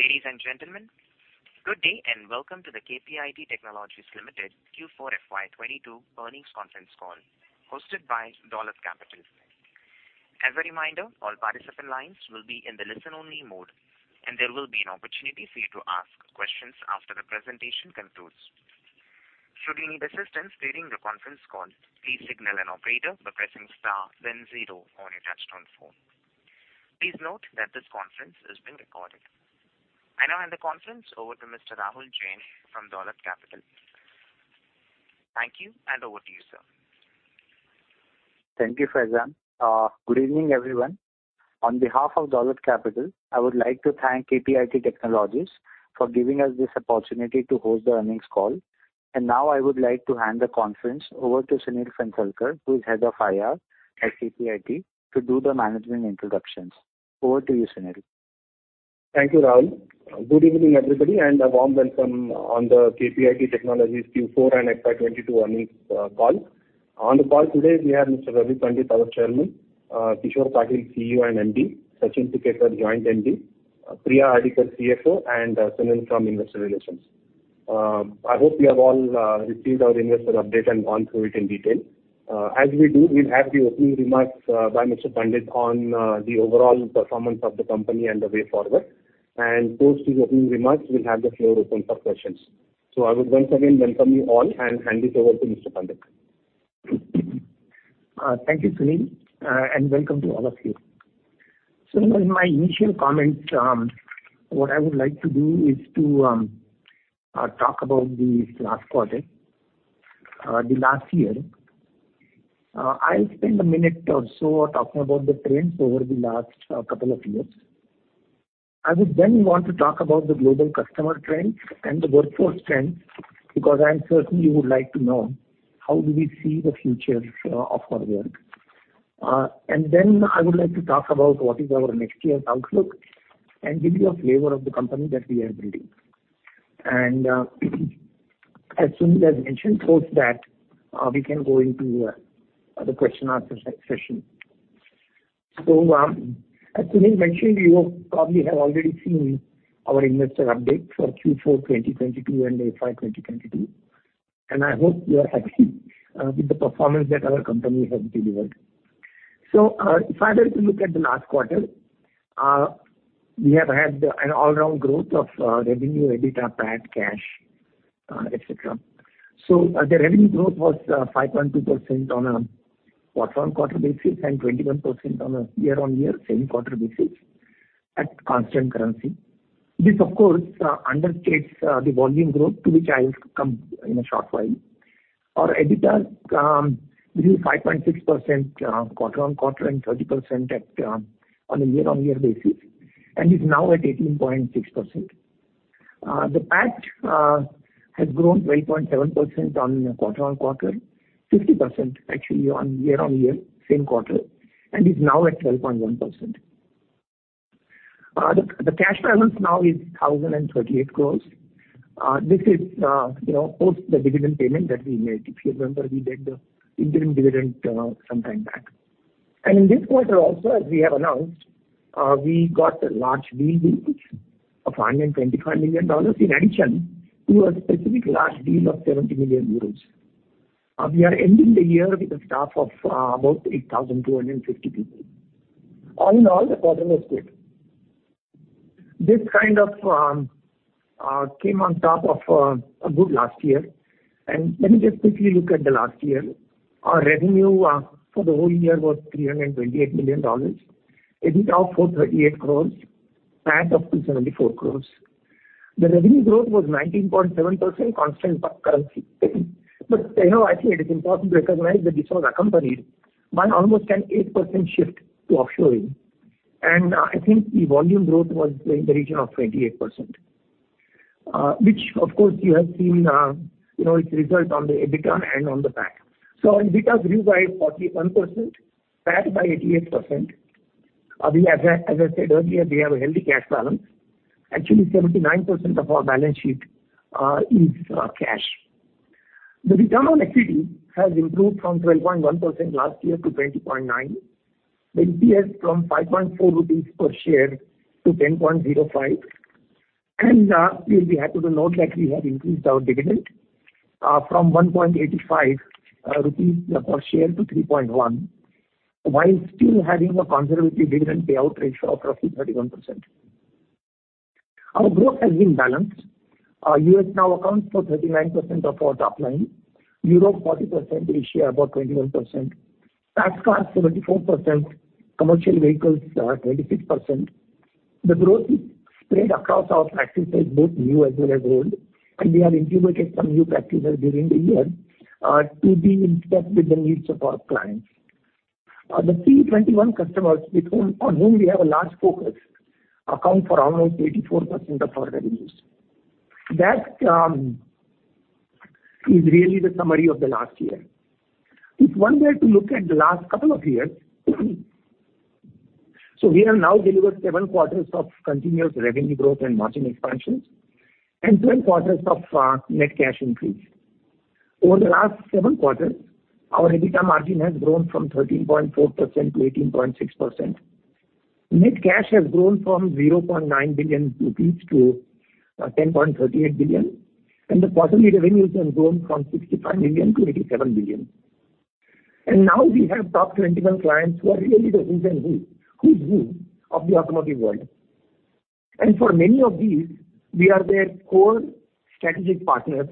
Ladies and gentlemen, good day and welcome to the KPIT Technologies Limited Q4 FY 2022 earnings conference call hosted by Dolat Capital. As a reminder, all participant lines will be in the listen-only mode, and there will be an opportunity for you to ask questions after the presentation concludes. Should you need assistance during the conference call, please signal an operator by pressing star then zero on your touchtone phone. Please note that this conference is being recorded. I now hand the conference over to Mr. Rahul Jain from Dolat Capital. Thank you, and over to you, sir. Thank you, Faizan. Good evening, everyone. On behalf of Dolat Capital, I would like to thank KPIT Technologies for giving us this opportunity to host the earnings call. Now I would like to hand the conference over to Sunil Phansalkar, who is head of IR at KPIT, to do the management introductions. Over to you, Sunil. Thank you, Rahul. Good evening, everybody, and a warm welcome on the KPIT Technologies Q4 and FY 2022 earnings call. On the call today we have Mr. Ravi Pandit, our chairman, Kishor Patil, CEO and MD, Sachin Tikekar, our joint MD, Priyamvada Hardikar, CFO, and Sunil Phansalkar from Investor Relations. I hope you have all received our investor update and gone through it in detail. As we do, we'll have the opening remarks by Mr. Pandit on the overall performance of the company and the way forward. Post his opening remarks, we'll have the floor open for questions. I would once again welcome you all and hand it over to Mr. Pandit. Thank you, Sunil. Welcome to all of you. In my initial comments, what I would like to do is to talk about the last quarter, the last year. I'll spend a minute or so talking about the trends over the last couple of years. I would then want to talk about the global customer trends and the workforce trends, because I certainly would like to know how do we see the future of our work. Then I would like to talk about what is our next year's outlook and give you a flavor of the company that we are building. As Sunil has mentioned, post that, we can go into the question and answer session. As Sunil mentioned, you probably have already seen our investor update for Q4 2022 and FY 2022, and I hope you are happy with the performance that our company has delivered. If I were to look at the last quarter, we have had an all-around growth of revenue, EBITDA, PAT, cash, etc. The revenue growth was 5.2% on a quarter-on-quarter basis and 21% on a year-on-year same quarter basis at constant currency. This of course understates the volume growth to which I'll come in a short while. Our EBITDA grew 5.6% quarter-on-quarter and 30% on a year-on-year basis and is now at 18.6%. The PAT has grown 12.7% quarter-on-quarter, 50% actually on year-on-year same quarter and is now at 12.1%. The cash balance now is 1,038 crore. This is, you know, post the dividend payment that we made. If you remember, we did the interim dividend some time back. In this quarter also, as we have announced, we got a large deal of $125 million in addition to a specific large deal of 70 million euros. We are ending the year with a staff of about 8,250 people. All in all the quarter was good. This kind of came on top of a good last year. Let me just quickly look at the last year. Our revenue for the whole year was $328 million. EBITDA of 438 crore. PAT up to 74 crore. The revenue growth was 19.7% constant currency. You know, I think it is important to recognize that this was accompanied by almost an 8% shift to offshoring. I think the volume growth was in the region of 28%. Which of course you have seen, you know, its result on the EBITDA and on the PAT. Our EBITDA grew by 41%, PAT by 88%. We have, as I said earlier, a healthy cash balance. Actually, 79% of our balance sheet is cash. The return on equity has improved from 12.1% last year to 20.9%. The EPS from 5.4 rupees per share to 10.05. You'll be happy to note that we have increased our dividend from 1.85 rupees per share to 3.1, while still having a conservative dividend payout ratio of roughly 31%. Our growth has been balanced. US now accounts for 39% of our top line, Europe 40%, Asia about 21%. Passenger car 74%, commercial vehicles 26%. The growth is spread across our practices both new as well as old, and we have integrated some new practices during the year to deal in fact with the needs of our clients. The key 21 customers on whom we have a large focus account for almost 84% of our revenues. That is really the summary of the last year. If one were to look at the last couple of years, so we have now delivered seven quarters of continuous revenue growth and margin expansions and 12 quarters of net cash increase. Over the last seven quarters, our EBITDA margin has grown from 13.4% to 18.6%. Net cash has grown from 0.9 billion rupees to 10.38 billion, and the quarterly revenues have grown from $65 million to $87 million. Now we have top 21 clients who are really the who's who of the automotive world. For many of these, we are their core strategic partners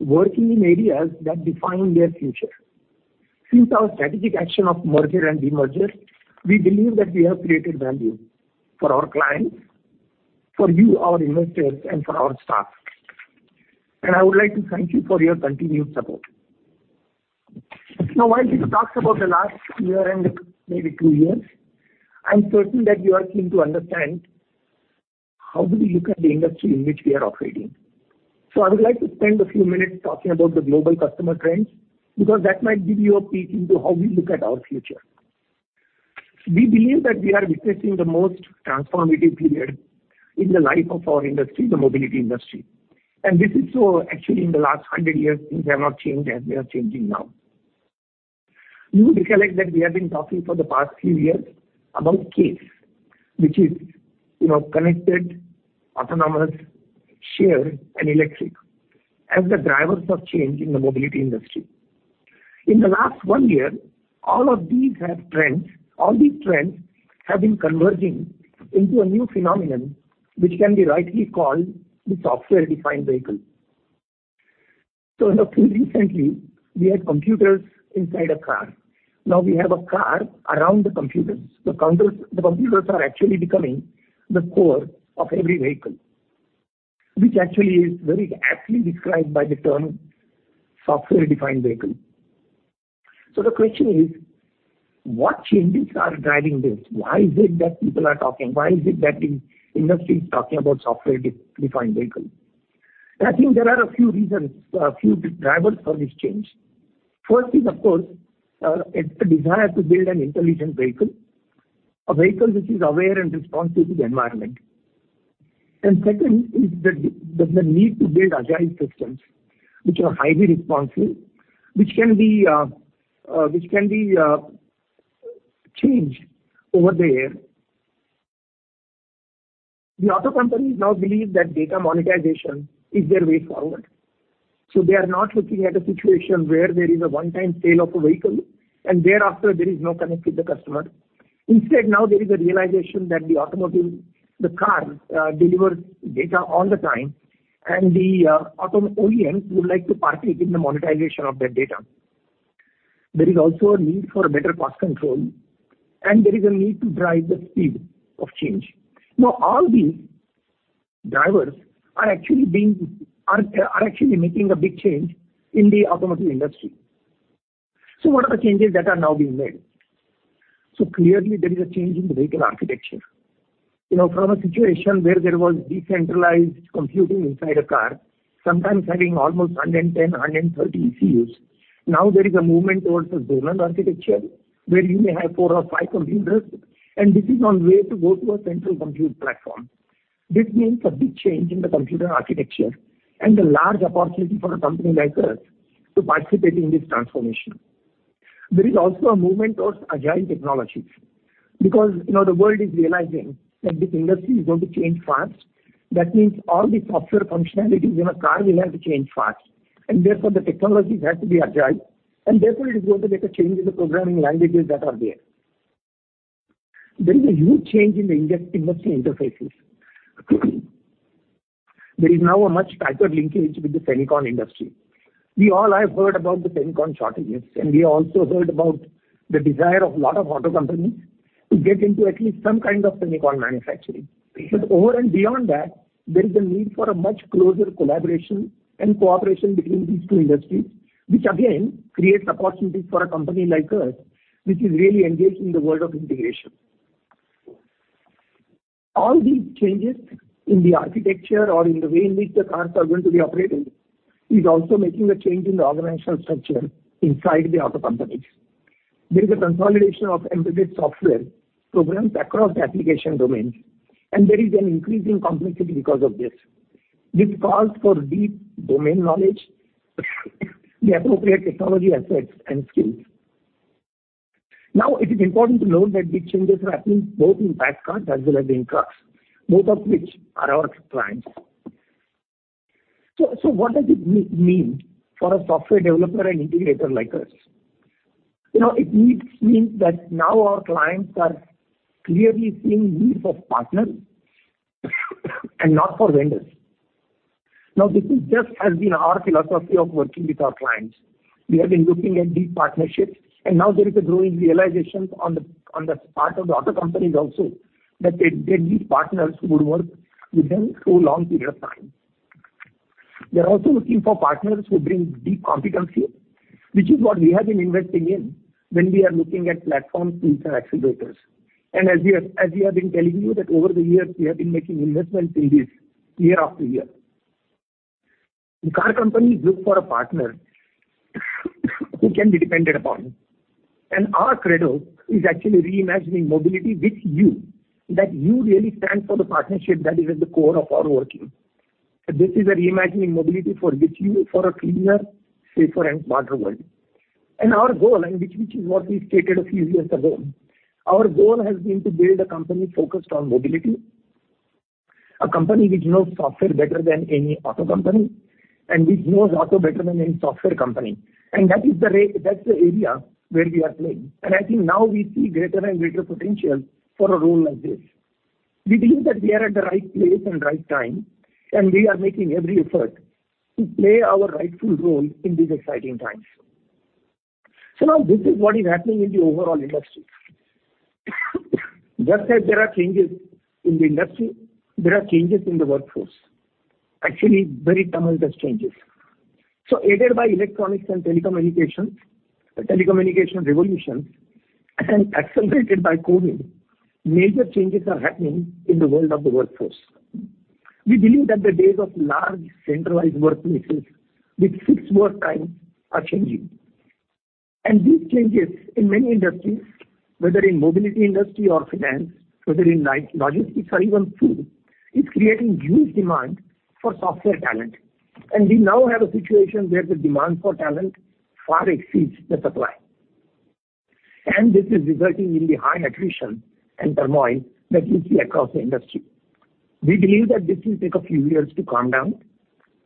working in areas that define their future. Since our strategic action of merger and de-merger, we believe that we have created value for our clients, for you, our investors, and for our staff. I would like to thank you for your continued support. Now, while we talked about the last year and maybe 2 years, I'm certain that you are keen to understand how do we look at the industry in which we are operating. I would like to spend a few minutes talking about the global customer trends, because that might give you a peek into how we look at our future. We believe that we are witnessing the most transformative period in the life of our industry, the mobility industry. This is so actually in the last 100 years, things have not changed as they are changing now. You will recollect that we have been talking for the past few years about CASE, which is, you know, connected, autonomous, shared, and electric as the drivers of change in the mobility industry. In the last one year, all these trends have been converging into a new phenomenon, which can be rightly called the software-defined vehicle. Until recently, we had computers inside a car. Now we have a car around the computers. The computers are actually becoming the core of every vehicle, which actually is very aptly described by the term software-defined vehicle. The question is, what changes are driving this? Why is it that people are talking? Why is it that the industry is talking about software-defined vehicle? I think there are a few reasons, a few drivers for this change. First is, of course, it's a desire to build an intelligent vehicle, a vehicle which is aware and responsive to the environment. Second is the need to build agile systems which are highly responsive, which can be changed over the air. The auto companies now believe that data monetization is their way forward. They are not looking at a situation where there is a one-time sale of a vehicle, and thereafter there is no connect with the customer. Instead, now there is a realization that the automotive, the car delivers data all the time and the auto OEM would like to partake in the monetization of that data. There is also a need for better cost control, and there is a need to drive the speed of change. Now, all these drivers are actually being, they are actually making a big change in the automotive industry. What are the changes that are now being made? Clearly there is a change in the vehicle architecture. You know, from a situation where there was decentralized computing inside a car, sometimes having almost 110 or 130 ECUs, now there is a movement towards a zonal architecture where you may have four or five computers, and this is on the way to go to a central compute platform. This means a big change in the computer architecture and a large opportunity for a company like us to participate in this transformation. There is also a movement towards agile technologies because, you know, the world is realizing that this industry is going to change fast. That means all the software functionalities in a car will have to change fast, and therefore, the technologies have to be agile, and therefore, it is going to get a change in the programming languages that are there. There is a huge change in the industry interfaces. There is now a much tighter linkage with the semiconductor industry. We all have heard about the semiconductor shortages, and we also heard about the desire of a lot of auto companies to get into at least some kind of semiconductor manufacturing. Over and beyond that, there is a need for a much closer collaboration and cooperation between these two industries, which again creates opportunities for a company like us, which is really engaged in the world of integration. All these changes in the architecture or in the way in which the cars are going to be operating is also making a change in the organizational structure inside the auto companies. There is a consolidation of embedded software programs across the application domains, and there is an increasing complexity because of this. This calls for deep domain knowledge, the appropriate technology assets and skills. Now, it is important to note that these changes are happening both in bad cars as well as in good cars, both of which are our clients. What does it mean for a software developer and integrator like us? You know, it means that now our clients are clearly seeing need for partners and not for vendors. Now, this has just been our philosophy of working with our clients. We have been looking at these partnerships, and now there is a growing realization on the part of the auto companies also that they need partners who would work with them through long period of time. They're also looking for partners who bring deep competency, which is what we have been investing in when we are looking at platform tools and accelerators. As we have been telling you that over the years, we have been making investments in this year after year. The car companies look for a partner who can be depended upon. Our credo is actually reimagining mobility with you, that you really stand for the partnership that is at the core of our working. This is a reimagining mobility for which you for a cleaner, safer, and smarter world. Our goal, which is what we stated a few years ago, our goal has been to build a company focused on mobility, a company which knows software better than any auto company, and which knows auto better than any software company. That is the area where we are playing. I think now we see greater and greater potential for a role like this. We believe that we are at the right place and right time, and we are making every effort to play our rightful role in these exciting times. Now this is what is happening in the overall industry. Just as there are changes in the industry, there are changes in the workforce, actually very tumultuous changes. Aided by electronics and telecommunications revolutions and accelerated by COVID, major changes are happening in the world of the workforce. We believe that the days of large centralized workplaces with fixed work times are changing. These changes in many industries, whether in mobility industry or finance, whether in logistics or even food, is creating huge demand for software talent. We now have a situation where the demand for talent far exceeds the supply. This is resulting in the high attrition and turmoil that we see across the industry. We believe that this will take a few years to calm down.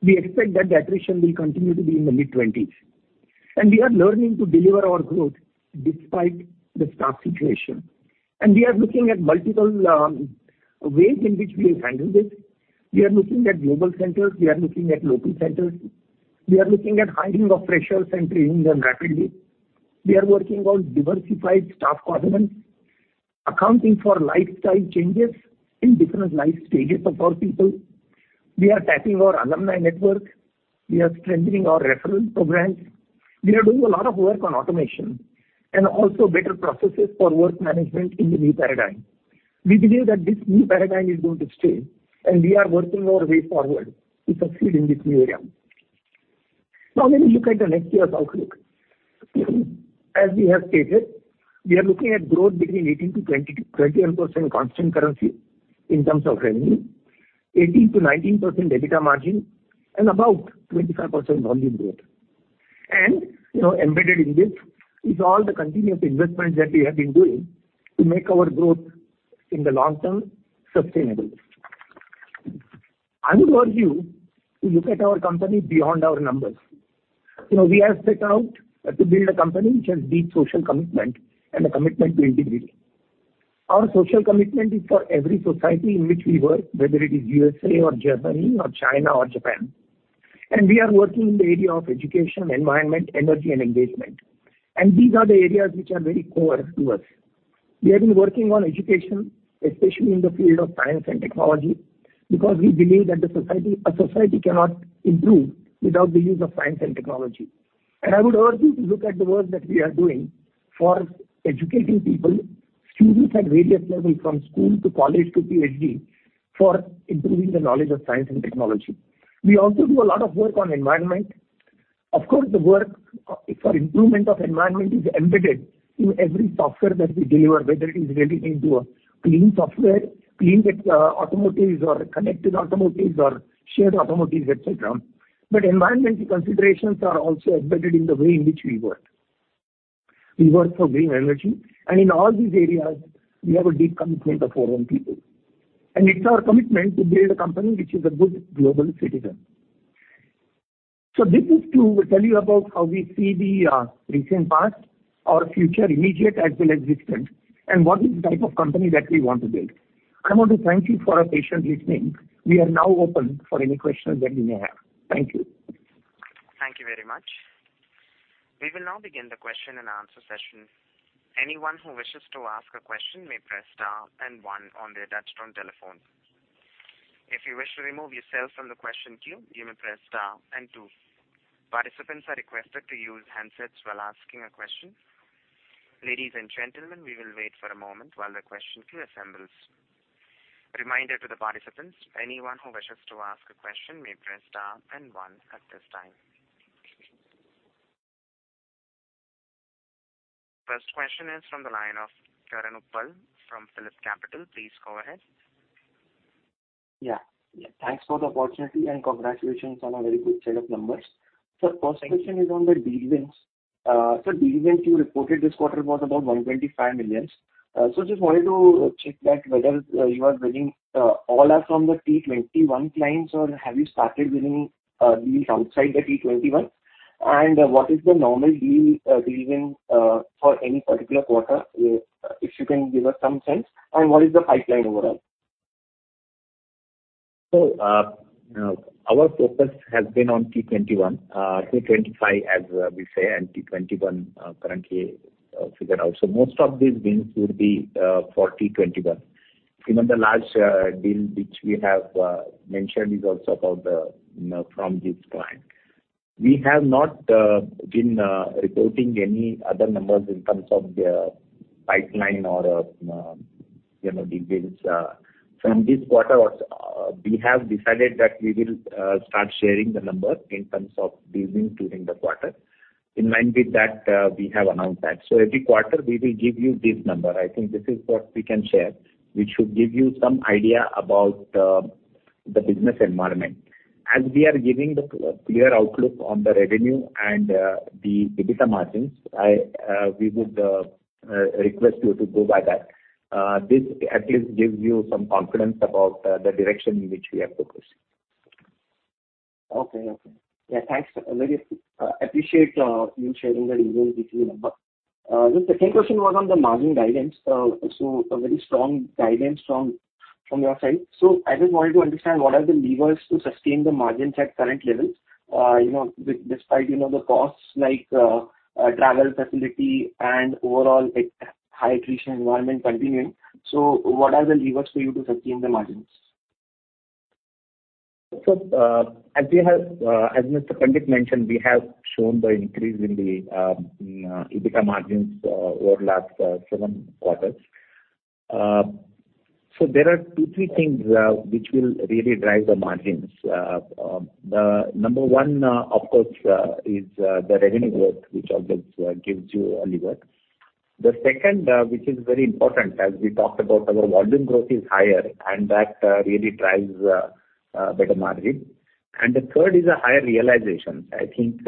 We expect that the attrition will continue to be in the mid-twenties. We are learning to deliver our growth despite the staff situation. We are looking at multiple ways in which we will handle this. We are looking at global centers. We are looking at local centers. We are looking at hiring of freshers and training them rapidly. We are working on diversified staff complements, accounting for lifestyle changes in different life stages of our people. We are tapping our alumni network. We are strengthening our reference programs. We are doing a lot of work on automation and also better processes for work management in the new paradigm. We believe that this new paradigm is going to stay, and we are working our way forward to succeed in this new area. Now let me look at the next year's outlook. As we have stated, we are looking at growth between 18%-21% constant currency in terms of revenue, 18%-19% EBITDA margin, and about 25% volume growth. You know, embedded in this is all the continuous investments that we have been doing to make our growth in the long term sustainable. I would urge you to look at our company beyond our numbers. You know, we have set out to build a company which has deep social commitment and a commitment to integrity. Our social commitment is for every society in which we work, whether it is USA or Germany or China or Japan, and we are working in the area of education, environment, energy and engagement. These are the areas which are very core to us. We have been working on education, especially in the field of science and technology, because we believe that the society cannot improve without the use of science and technology. I would urge you to look at the work that we are doing for educating people, students at various levels from school to college to PhD, for improving the knowledge of science and technology. We also do a lot of work on environment. Of course, the work for improvement of environment is embedded in every software that we deliver, whether it is really into a clean software, clean automotives or connected automotives or shared automotives, et cetera. Environmental considerations are also embedded in the way in which we work. We work for green energy, and in all these areas we have a deep commitment of our own people. It's our commitment to build a company which is a good global citizen. This is to tell you about how we see the recent past, our future, immediate as well existent, and what is the type of company that we want to build. I want to thank you for your patient listening. We are now open for any questions that you may have. Thank you. Thank you very much. We will now begin the question and answer session. Anyone who wishes to ask a question may press star and one on their touch-tone telephone. If you wish to remove yourself from the question queue, you may press star and two. Participants are requested to use handsets while asking a question. Ladies and gentlemen, we will wait for a moment while the question queue assembles. A reminder to the participants, anyone who wishes to ask a question may press star and one at this time. First question is from the line of Karan Uppal from Phillip Capital. Please go ahead. Yeah. Thanks for the opportunity, and congratulations on a very good set of numbers. First question is on the deal wins. Deal wins you reported this quarter was about 125 million. Just wanted to check that whether you are winning all are from the T21 clients or have you started winning deals outside the T21? What is the normal deal wins for any particular quarter? If you can give us some sense. What is the pipeline overall? Our focus has been on T21, say 25 as we say, and T21 currently figured out. Most of these wins would be for T21. Even the large deal which we have mentioned is also about the, you know, from this client. We have not been reporting any other numbers in terms of the pipeline. You know, the business from this quarter was we have decided that we will start sharing the number in terms of business during the quarter. In line with that, we have announced that. Every quarter we will give you this number. I think this is what we can share, which should give you some idea about the business environment. As we are giving the clear outlook on the revenue and the EBITDA margins, we would request you to go by that. This at least gives you some confidence about the direction in which we are focused. Okay. Yeah, thanks. I really appreciate you sharing the business numbers with me. The second question was on the margin guidance. A very strong guidance from your side. I just wanted to understand what are the levers to sustain the margins at current levels, you know, despite, you know, the costs like travel and facility and overall high attrition environment continuing. What are the levers for you to sustain the margins? As Mr. Pandit mentioned, we have shown the increase in the EBITDA margins over last seven quarters. There are two, three things which will really drive the margins. The number one, of course, is the revenue growth, which obviously gives you a lever. The second, which is very important as we talked about our volume growth is higher, and that really drives better margin. The third is a higher realization. I think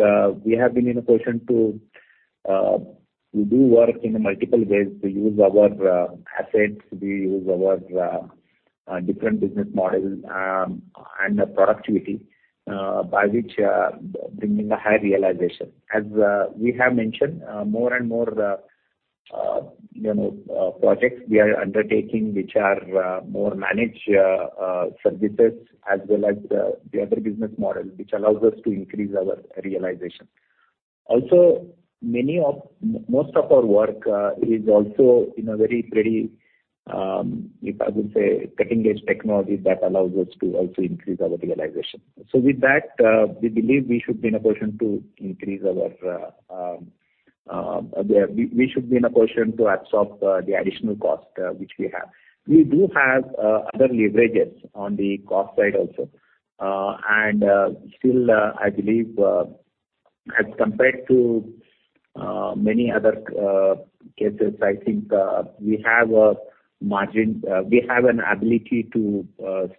we have been in a position to. We do work in multiple ways. We use our assets. We use our different business models, and the productivity by which bringing a high realization. As we have mentioned, more and more you know projects we are undertaking, which are more managed services as well as the other business model, which allows us to increase our realization. Most of our work is also in a very pretty, if I would say, cutting-edge technology that allows us to also increase our realization. With that, we believe we should be in a position to absorb the additional cost, which we have. We do have other leverages on the cost side also. Still, I believe, as compared to many other cases, I think, we have a margin, we have an ability to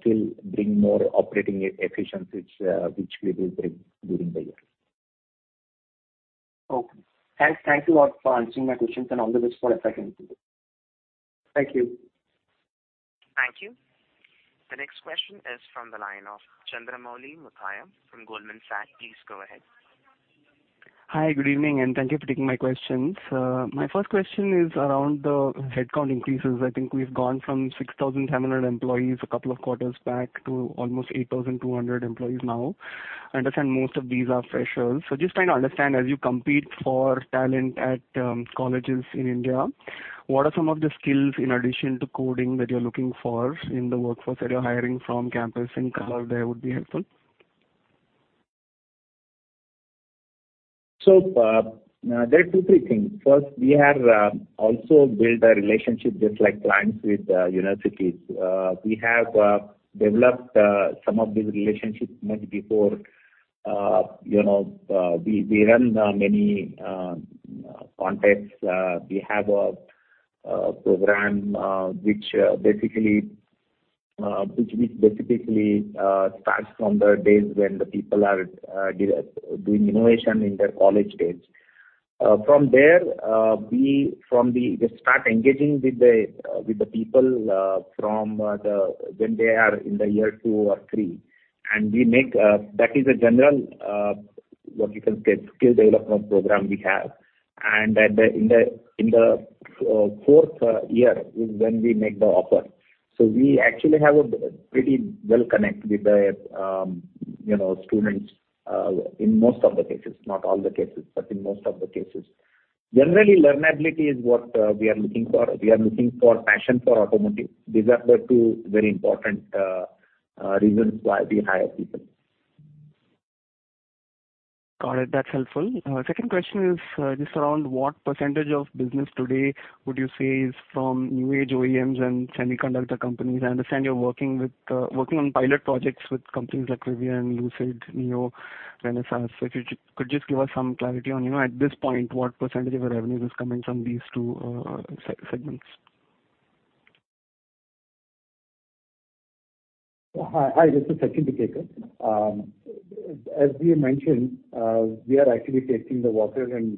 still bring more operating efficiencies, which we will bring during the year. Okay. Thanks. Thank you a lot for answering my questions and all the best for the year ahead. Thank you. Thank you. The next question is from the line of Chandramouli Muthiah from Goldman Sachs. Please go ahead. Hi, good evening, and thank you for taking my questions. My first question is around the headcount increases. I think we've gone from 6,700 employees a couple of quarters back to almost 8,200 employees now. I understand most of these are freshers. Just trying to understand, as you compete for talent at colleges in India, what are some of the skills in addition to coding that you're looking for in the workforce that you're hiring from campus? Any color there would be helpful. There are two, three things. First, we have also built a relationship just like clients with universities. We have developed some of these relationships much before. You know, we run many contests. We have a program which basically starts from the days when the people are doing innovation in their college days. From there, they start engaging with the people from when they are in the year 2 or 3. That is a general, what you can say, skill development program we have. In the 4th year is when we make the offer. We actually have a pretty well connected with the, you know, students, in most of the cases, not all the cases, but in most of the cases. Generally, learnability is what we are looking for. We are looking for passion for automotive. These are the two very important reasons why we hire people. Got it. That's helpful. Second question is just around what percentage of business today would you say is from new age OEMs and semiconductor companies? I understand you're working on pilot projects with companies like Rivian, Lucid, NIO, Renesas. If you could just give us some clarity on, you know, at this point, what percentage of your revenue is coming from these two segments? Hi. This is Sachin Tikekar. As we mentioned, we are actually testing the waters and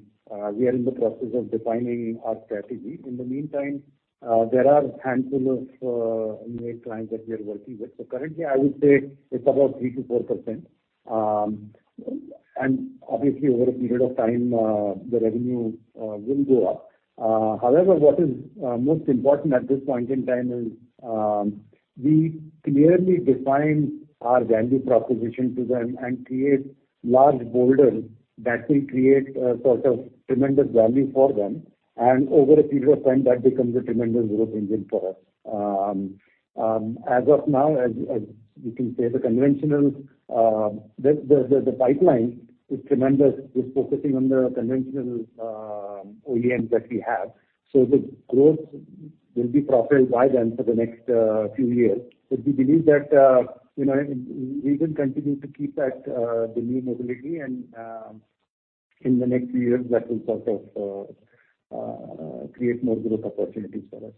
we are in the process of defining our strategy. In the meantime, there are a handful of new age clients that we are working with. Currently, I would say it's about 3%-4%. Obviously, over a period of time, the revenue will go up. However, what is most important at this point in time is we clearly define our value proposition to them and create large orders that will create a sort of tremendous value for them. Over a period of time, that becomes a tremendous growth engine for us. As of now, as you can say, the conventional pipeline is tremendous. It's focusing on the conventional OEMs that we have. The growth will be propelled by them for the next few years. We believe that, you know, we will continue to keep at the new mobility, and in the next few years, that will sort of create more growth opportunities for us.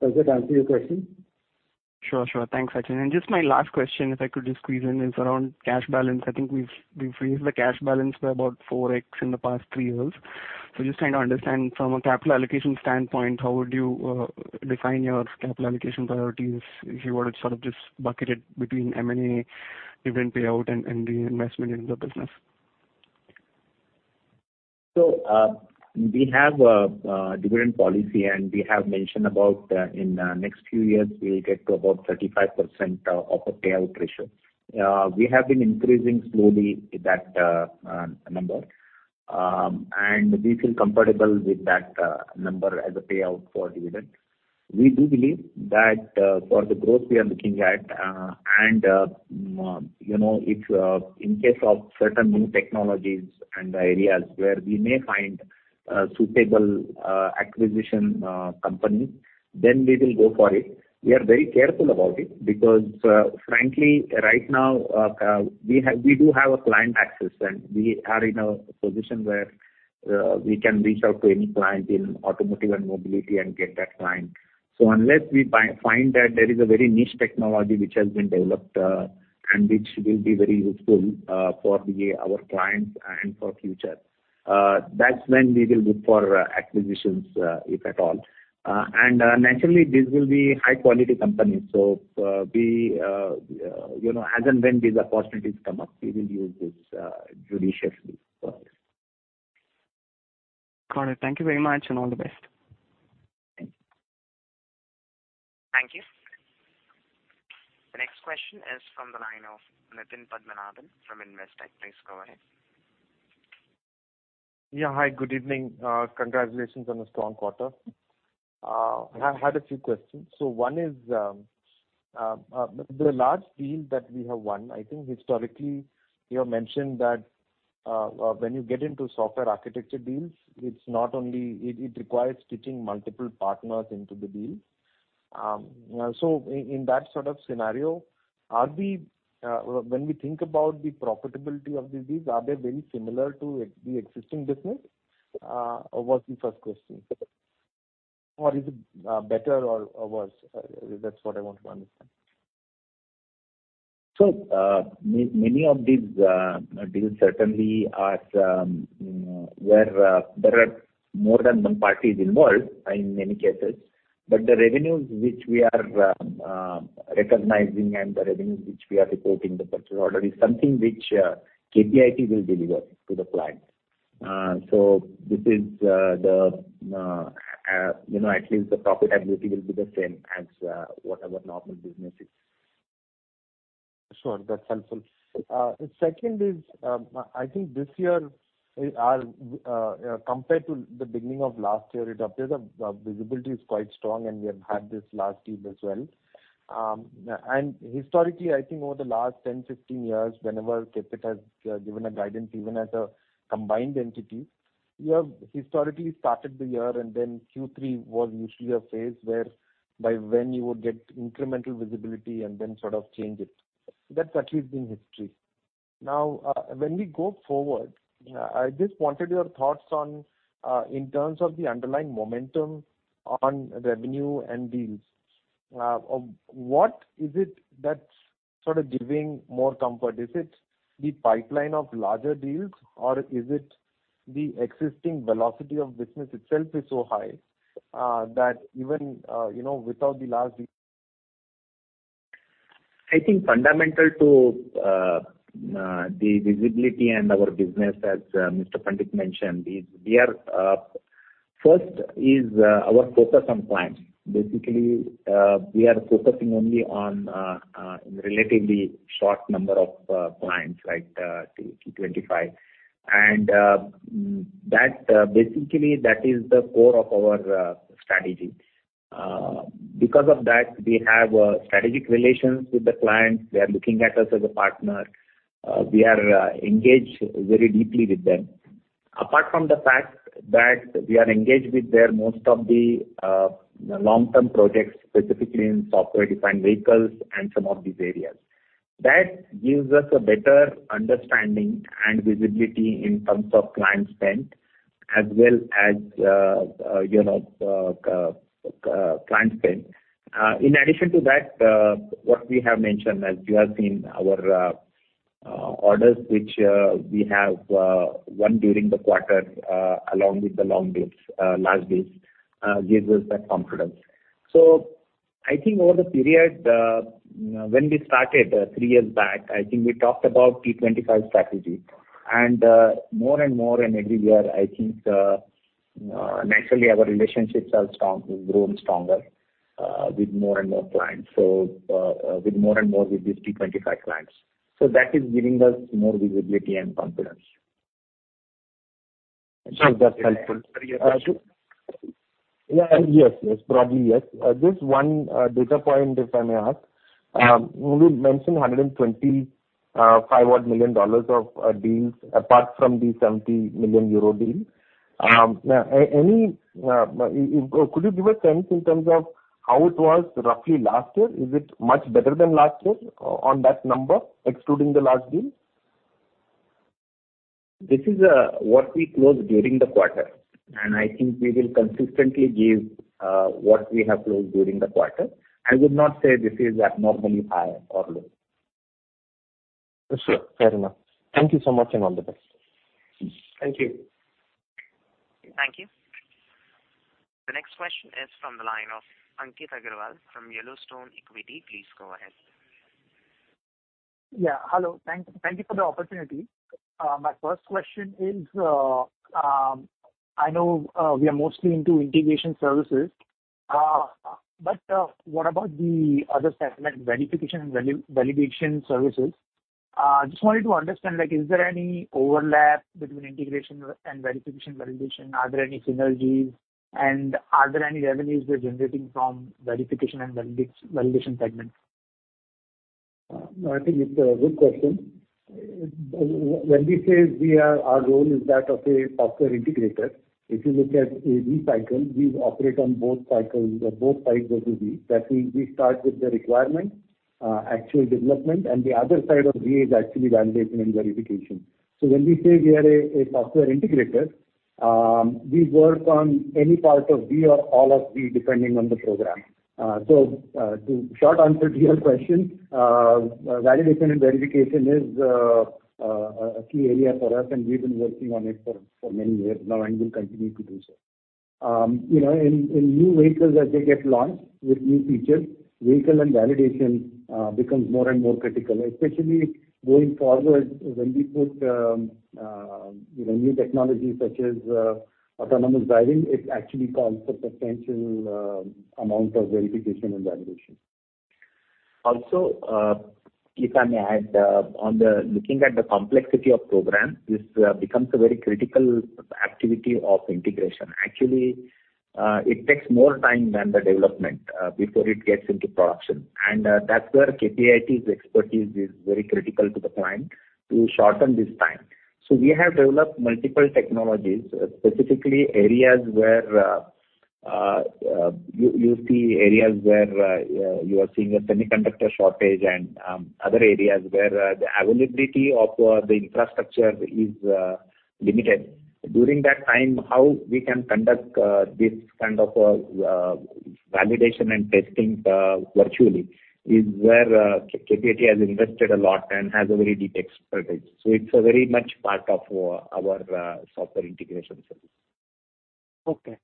Does that answer your question? Sure. Sure. Thanks, Sachin. Just my last question, if I could just squeeze in, is around cash balance. I think we've raised the cash balance by about 4x in the past 3 years. Just trying to understand from a capital allocation standpoint, how would you define your capital allocation priorities if you were to sort of just bucket it between M&A, dividend payout and the investment in the business? We have a dividend policy, and we have mentioned about in the next few years we'll get to about 35% of a payout ratio. We have been increasing slowly that number. We feel comfortable with that number as a payout for dividend. We do believe that for the growth we are looking at, and you know, if in case of certain new technologies and areas where we may find suitable acquisition company, then we will go for it. We are very careful about it because frankly, right now, we do have client access, and we are in a position where we can reach out to any client in automotive and mobility and get that client. Unless we find that there is a very niche technology which has been developed, and which will be very useful, for our clients and for future, that's when we will look for acquisitions, if at all. Naturally, these will be high-quality companies. We, you know, as and when these opportunities come up, we will use this judiciously for this. Got it. Thank you very much, and all the best. Thank you. Thank you. The next question is from the line of Nitin Padmanabhan from Investec. Please go ahead. Yeah. Hi, good evening. Congratulations on the strong quarter. I had a few questions. One is, the large deals that we have won, I think historically you have mentioned that, when you get into software architecture deals, it's not only it requires stitching multiple partners into the deal. In that sort of scenario, when we think about the profitability of these deals, are they very similar to the existing business? That was the first question. Or is it better or worse? That's what I want to understand. Many of these deals certainly are where there are more than one parties involved in many cases. The revenues which we are recognizing and the revenues which we are reporting, the purchase order is something which KPIT will deliver to the client. This is, you know, at least the profitability will be the same as what our normal business is. Sure. That's helpful. Second is, I think this year, compared to the beginning of last year, it appears the visibility is quite strong, and we have had this last year as well. Historically, I think over the last 10, 15 years, whenever KPIT has given a guidance, even as a combined entity, you have historically started the year and then Q3 was usually a phase whereby when you would get incremental visibility and then sort of change it. That's at least been history. Now, when we go forward, I just wanted your thoughts on, in terms of the underlying momentum on revenue and deals. What is it that's sort of giving more comfort? Is it the pipeline of larger deals, or is it the existing velocity of business itself is so high, that even, you know, without the large. I think fundamental to the visibility and our business, as Mr. Pandit mentioned, is we are. First is our focus on clients. Basically, we are focusing only on relatively short number of clients, right, T25. That basically is the core of our strategy. Because of that, we have strategic relations with the clients. They are looking at us as a partner. We are engaged very deeply with them. Apart from the fact that we are engaged with their most of the long-term projects, specifically in software-defined vehicles and some of these areas. That gives us a better understanding and visibility in terms of client spend as well as, you know, client spend. In addition to that, what we have mentioned, as you have seen our orders, which we have won during the quarter, along with the large deals, gives us that confidence. I think over the period, when we started, 3 years back, I think we talked about T25 strategy. More and more every year, I think, naturally our relationships have grown stronger with more and more clients. With more and more of these T25 clients. That is giving us more visibility and confidence. Sure. That's helpful. Sorry, your question? Yeah. Yes. Probably yes. Just one data point, if I may ask. You mentioned 125-odd million dollars of deals apart from the 70 million euro deal. Could you give a sense in terms of how it was roughly last year? Is it much better than last year on that number, excluding the large deals? This is what we closed during the quarter, and I think we will consistently give what we have closed during the quarter. I would not say this is abnormally high or low. Sure. Fair enough. Thank you so much, and all the best. Thank you. Thank you. The next question is from the line of Ankit Agarwal from Yellowstone Equity. Please go ahead. Yeah. Hello. Thank you for the opportunity. My first question is, I know we are mostly into integration services, but what about the other segment, verification and validation services? Just wanted to understand, like is there any overlap between integration and verification, validation? Are there any synergies, and are there any revenues you're generating from verification and validation segment? I think it's a good question. When we say we are our role is that of a software integrator, if you look at a V-cycle, we operate on both cycles, both sides of the V. We start with the requirement, actual development, and the other side of the V-cycle is actually validation and verification. When we say we are a software integrator, we work on any part of the V-cycle or all of the V-cycle, depending on the program. The short answer to your question, validation and verification is a key area for us, and we've been working on it for many years now and will continue to do so. You know, in new vehicles as they get launched with new features, verification and validation becomes more and more critical, especially going forward when we put you know, new technology such as autonomous driving, it actually calls for potential amount of verification and validation. Also, if I may add, on the looking at the complexity of program, this becomes a very critical activity of integration. Actually, it takes more time than the development before it gets into production. That's where KPIT's expertise is very critical to the client to shorten this time. We have developed multiple technologies, specifically areas where you see a semiconductor shortage and other areas where the availability of the infrastructure is limited. During that time, how we can conduct this kind of validation and testing virtually is where KPIT has invested a lot and has a very deep expertise. It's a very much part of our software integration service. The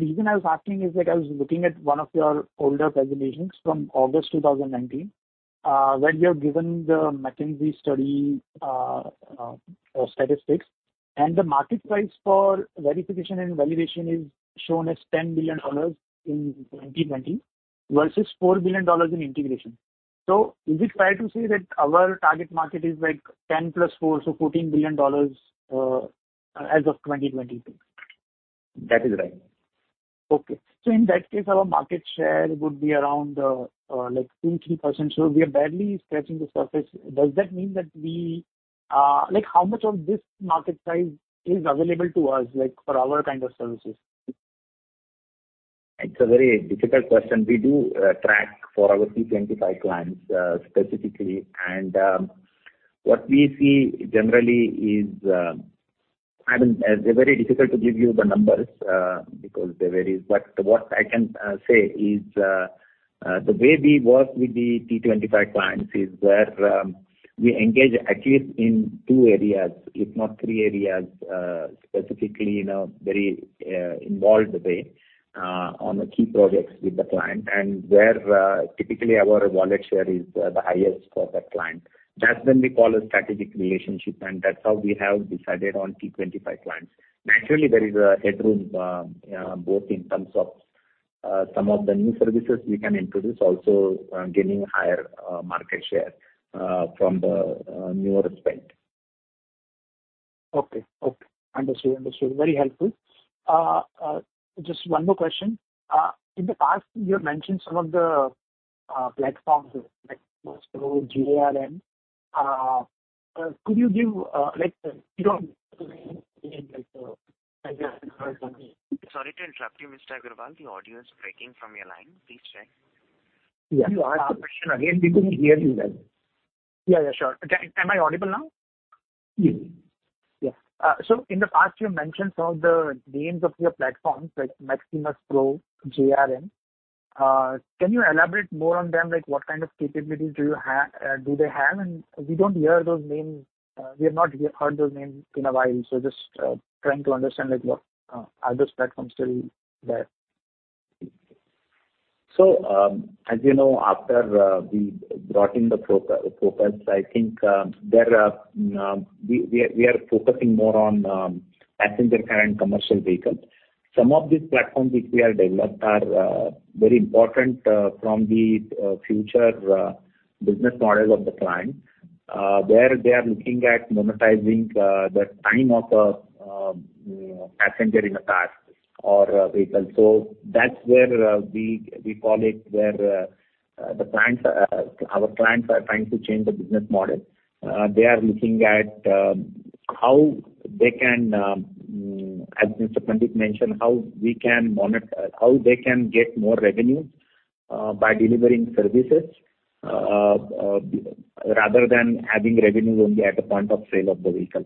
reason I was asking is that I was looking at one of your older presentations from August 2019, where you have given the McKinsey study statistics, and the market size for verification and validation is shown as $10 billion in 2020 versus $4 billion in integration. Is it fair to say that our target market is like $10 billion + $4 billion, so $14 billion, as of 2022? That is right. Okay. In that case, our market share would be around, like 2%-3%. We are barely scratching the surface. Does that mean that we like how much of this market size is available to us, like for our kind of services? It's a very difficult question. We do track for our T25 clients specifically. What we see generally is, I mean, very difficult to give you the numbers because they vary. What I can say is the way we work with the T25 clients is where we engage at least in two areas, if not three areas, specifically in a very involved way on the key projects with the client and where typically our wallet share is the highest for that client. That's when we call a strategic relationship, and that's how we have decided on T25 clients. Naturally, there is headroom both in terms of some of the new services we can introduce, also gaining higher market share from the newer spend. Okay. Understand. Very helpful. Just one more question. In the past, you have mentioned some of the platforms like Maximus Pro, JRM. Could you give, like, you know, like. Sorry to interrupt you, Mr. Agarwal. The audio is breaking from your line. Please check. Can you ask the question again? We couldn't hear you well. Yeah. Yeah, sure. Am I audible now? Yes. Yeah. In the past, you mentioned some of the names of your platforms like Maximus Pro, JRM. Can you elaborate more on them, like what kind of capabilities do they have? We don't hear those names. We have not heard those names in a while, just trying to understand, like what are those platforms still there? As you know, after we brought in the Propels, I think there are we are focusing more on passenger car and commercial vehicles. Some of these platforms which we have developed are very important from the future business models of the client. Where they are looking at monetizing the time of passenger in a car or a vehicle. That's where we call it where the clients our clients are trying to change the business model. They are looking at how they can as Mr. Pandit mentioned, how they can get more revenue by delivering services rather than having revenue only at the point of sale of the vehicle.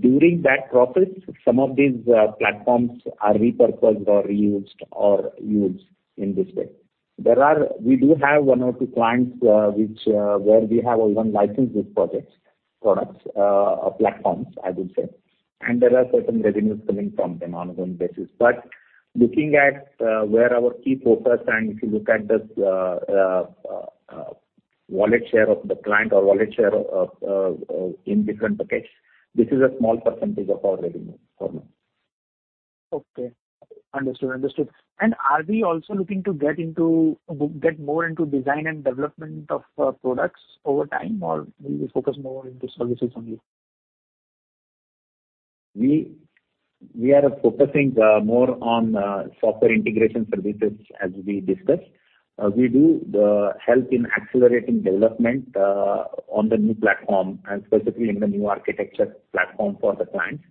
During that process, some of these platforms are repurposed or reused or used in this way. We do have one or two clients, where we have even licensed these projects, products, or platforms, I would say, and there are certain revenues coming from them on ongoing basis. Looking at where our key focus and if you look at the wallet share of the client or wallet share of in different pockets, this is a small percentage of our revenue for now. Okay. Understood. Are we also looking to get into, get more into design and development of, products over time or will you focus more into services only? We are focusing more on software integration services, as we discussed. We help in accelerating development on the new platform and specifically in the new architecture platform for the clients.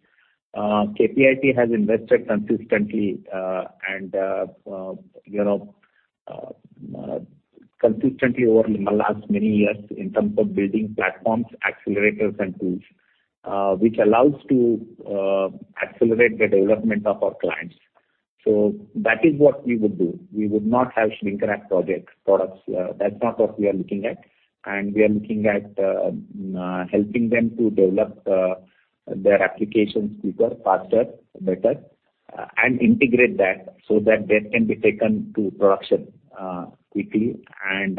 KPIT has invested consistently and you know consistently over the last many years in terms of building platforms, accelerators, and tools, which allows to accelerate the development of our clients. That is what we would do. We would not have shrink-wrap projects, products. That's not what we are looking at, and we are looking at helping them to develop their applications quicker, faster, better, and integrate that so that they can be taken to production quickly and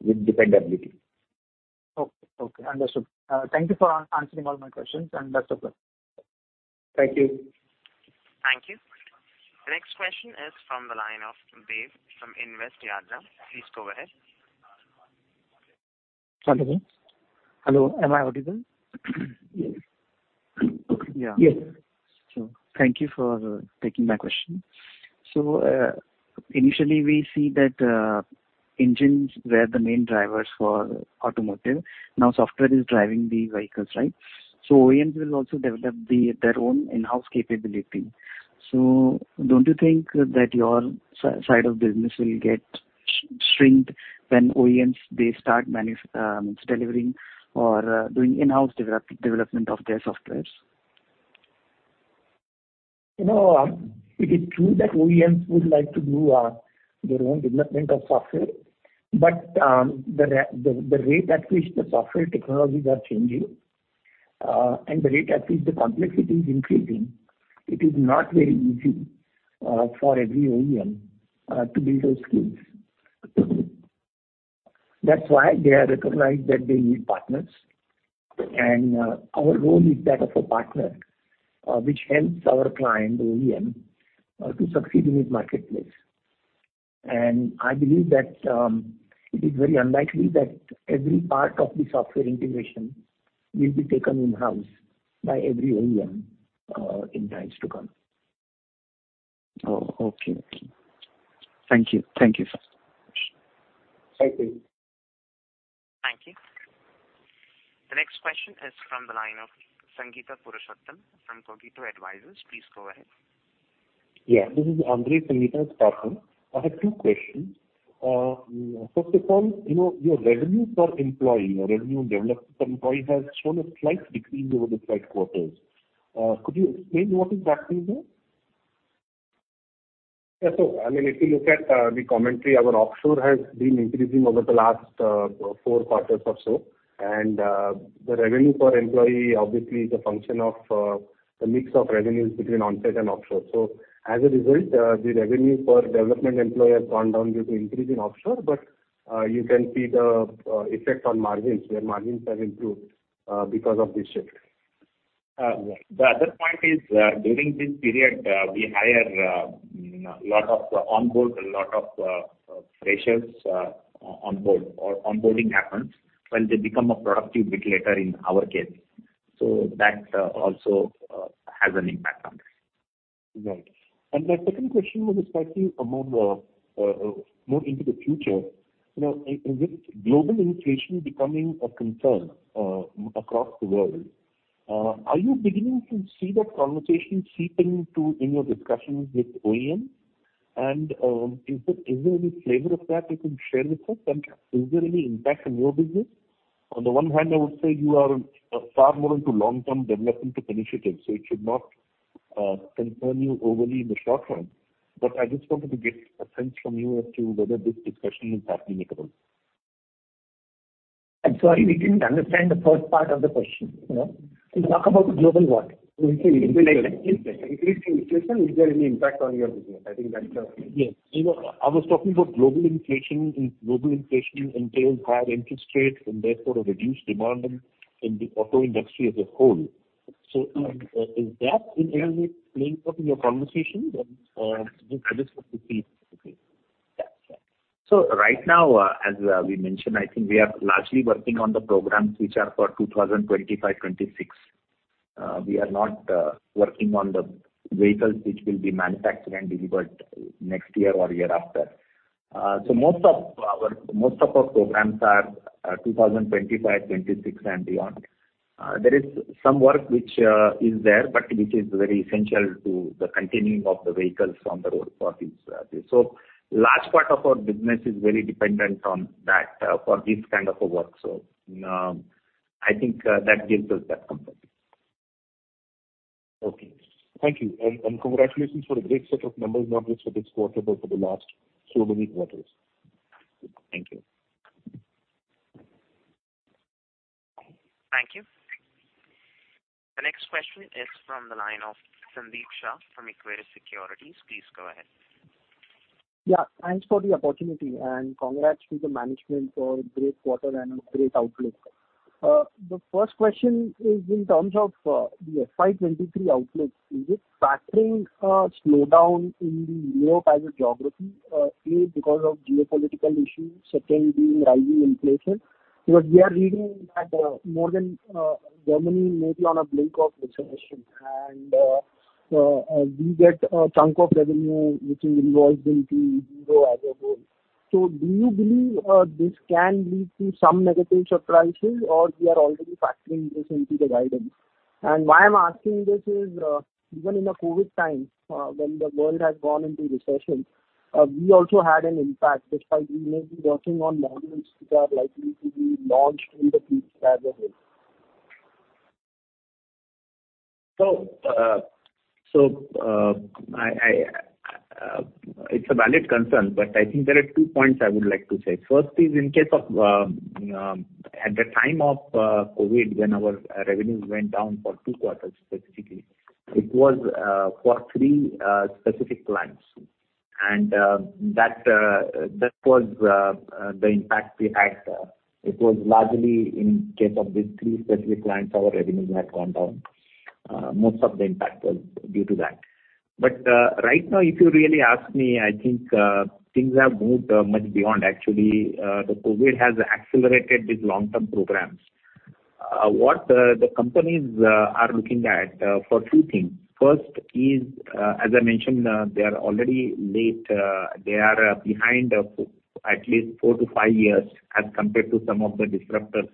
with dependability. Okay. Understood. Thank you for answering all my questions and best of luck. Thank you. Thank you. The next question is from the line of Dave from InvestYatra. Please go ahead. Hello. Hello. Am I audible? Yes. Okay. Yeah. Yes. Thank you for taking my question. Initially we see that engines were the main drivers for automotive. Now software is driving the vehicles, right? OEMs will also develop their own in-house capability. Don't you think that your side of business will get shrunk when OEMs they start delivering or doing in-house development of their software? You know, it is true that OEMs would like to do their own development of software. The rate at which the software technologies are changing, and the rate at which the complexity is increasing, it is not very easy for every OEM to build those skills. That's why they have recognized that they need partners. Our role is that of a partner, which helps our client, the OEM, to succeed in this marketplace. I believe that it is very unlikely that every part of the software integration will be taken in-house by every OEM in times to come. Oh, okay. Thank you, sir. Thank you. Thank you. The next question is from the line of Sangeeta Purushottam from Cogito Advisors. Please go ahead. Yeah. This is Andrey, Sangeeta's partner. I have two questions. First of all, you know, your revenue per employee or revenue development per employee has shown a slight decrease over the past quarters. Could you explain what is that reason? Yeah. I mean, if you look at the commentary, our offshore has been increasing over the last four quarters or so. The revenue per employee obviously is a function of the mix of revenues between on-site and offshore. As a result, the revenue per development employee has gone down due to increase in offshore, but you can see the effect on margins, where margins have improved because of this shift. Yeah. The other point is, during this period, we hire a lot of freshers. Onboarding happens. Well, they become productive a bit later in our case. That also has an impact on this. Right. My second question was actually among the more into the future. You know, in this global inflation becoming a concern across the world, are you beginning to see that conversation seeping into your discussions with OEM? Is there any flavor of that you can share with us? Is there any impact on your business? On the one hand, I would say you are far more into long-term development initiatives, so it should not concern you overly in the short term. I just wanted to get a sense from you as to whether this discussion is happening at all. I'm sorry, we didn't understand the first part of the question. You know? You talk about the global what? Increasing inflation. Is there any impact on your business? I think that's, Yes. You know, I was talking about global inflation. Global inflation entails higher interest rates and therefore a reduced demand in the auto industry as a whole. Is that in any way playing out in your conversations and this is what we see basically? Right now, as we mentioned, I think we are largely working on the programs which are for 2025, 2026. We are not working on the vehicles which will be manufactured and delivered next year or year after. Most of our programs are 2025, 2026 and beyond. There is some work which is there, but which is very essential to the continuing of the vehicles on the road for this. Large part of our business is very dependent on that for this kind of a work. I think that gives us that comfort. Okay. Thank you. Congratulations for a great set of numbers not just for this quarter, but for the last so many quarters. Thank you. Thank you. The next question is from the line of Sandeep Shah from Equirus Securities. Please go ahead. Yeah, thanks for the opportunity, and congrats to the management for a great quarter and a great outlook. The first question is in terms of the FY 2023 outlook. Is it factoring a slowdown in the European geography, because of geopolitical issues, second being rising inflation? Because we are reading that Germany may be on the brink of recession, and we get a chunk of revenue which is invoiced in euros as a whole. Do you believe this can lead to some negative surprises, or we are already factoring this into the guidance? Why I'm asking this is, even in the COVID times, when the world has gone into recession, we also had an impact despite we may be working on models which are likely to be launched in the future as a whole. It's a valid concern, but I think there are two points I would like to say. First is in case of at the time of COVID, when our revenues went down for two quarters specifically, it was for three specific clients. That was the impact we had. It was largely in case of these three specific clients, our revenues had gone down. Most of the impact was due to that. Right now, if you really ask me, I think things have moved much beyond. Actually, the COVID has accelerated these long-term programs. What the companies are looking at for two things. First is, as I mentioned, they are already late, they are behind at least 4-5 years as compared to some of the disruptors,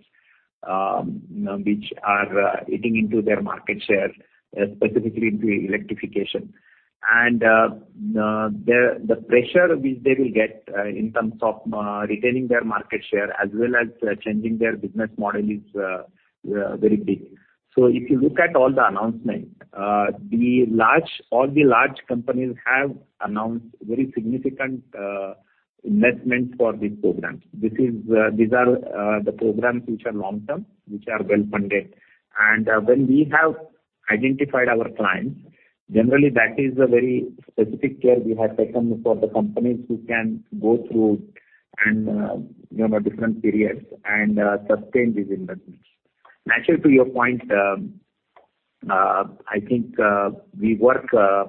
which are eating into their market share, specifically the electrification. The pressure which they will get in terms of retaining their market share as well as changing their business model is very big. If you look at all the announcements, the large companies have announced very significant investments for these programs. These are the programs which are long-term, which are well-funded. When we have identified our clients, generally that is a very specific care we have taken for the companies who can go through and, you know, different periods and sustain these investments. Naturally, to your point, I think,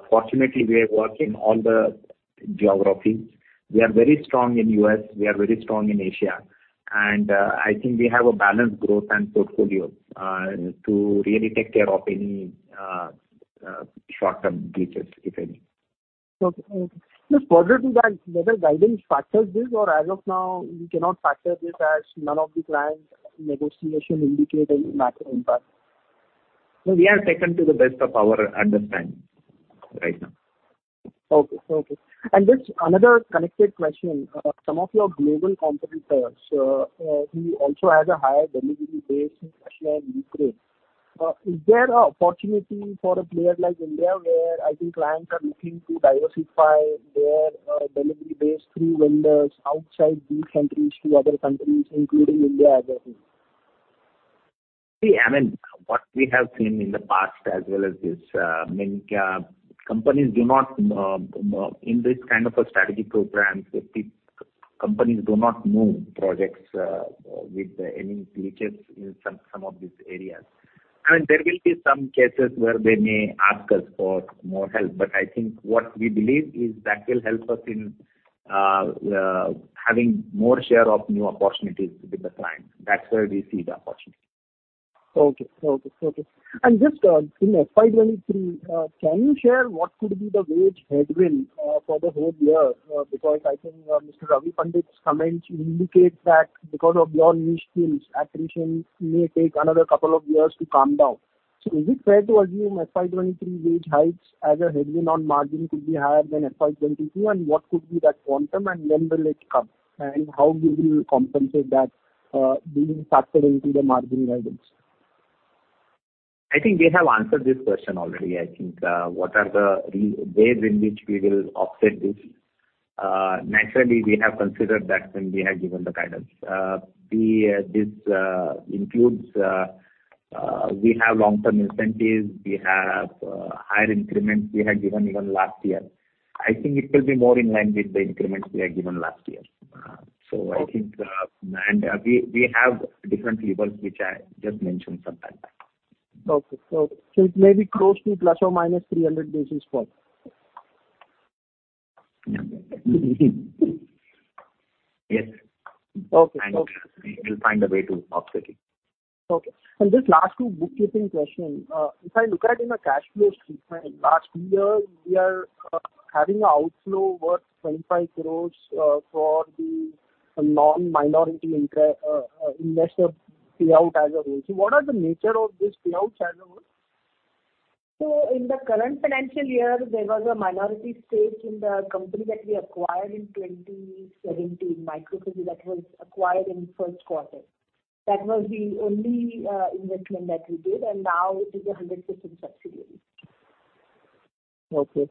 fortunately, we work in all the geographies. We are very strong in U.S., we are very strong in Asia, and I think we have a balanced growth and portfolio to really take care of any short-term glitches, if any. Okay. Just further to that, whether guidance factors this or as of now we cannot factor this as none of the client negotiation indicate any macro impact. No, we have taken to the best of our understanding right now. Just another connected question. Some of your global competitors who also has a higher delivery base in Russia and Ukraine. Is there an opportunity for a player like India where I think clients are looking to diversify their delivery base through vendors outside these countries to other countries, including India as a whole? See, I mean, what we have seen in the past as well as this, I mean, companies do not move projects with any glitches in some of these areas. I mean, there will be some cases where they may ask us for more help, but I think what we believe is that will help us in having more share of new opportunities with the clients. That's where we see the opportunity. Okay. Just in FY 2023, can you share what could be the wage headwind for the whole year? Because I think Mr. Ravi Pandit's comments indicate that because of your niche skills, attrition may take another couple of years to come down. Is it fair to assume FY 2023 wage hikes as a headwind on margin could be higher than FY 2022? And what could be that quantum, and when will it come? And how will you compensate that, being factored into the margin guidance? I think we have answered this question already. I think what are the ways in which we will offset this. Naturally, we have considered that when we have given the guidance. This includes we have long-term incentives, we have higher increments we had given even last year. I think it will be more in line with the increments we had given last year. I think and we have different levers which I just mentioned sometime back. Okay. It may be close to ±300 basis points. Yeah. Yes. Okay. We will find a way to offset it. Okay. Just last two bookkeeping question. If I look at in the cash flow statement, last year we are having a outflow worth 25 crore for the non-minority investor payout as a whole. What are the nature of this payouts as a whole? In the current financial year, there was a minority stake in the company that we acquired in 2017, MicroFuzzy that was acquired in first quarter. That was the only investment that we did and now it is a 100% subsidiary. Okay.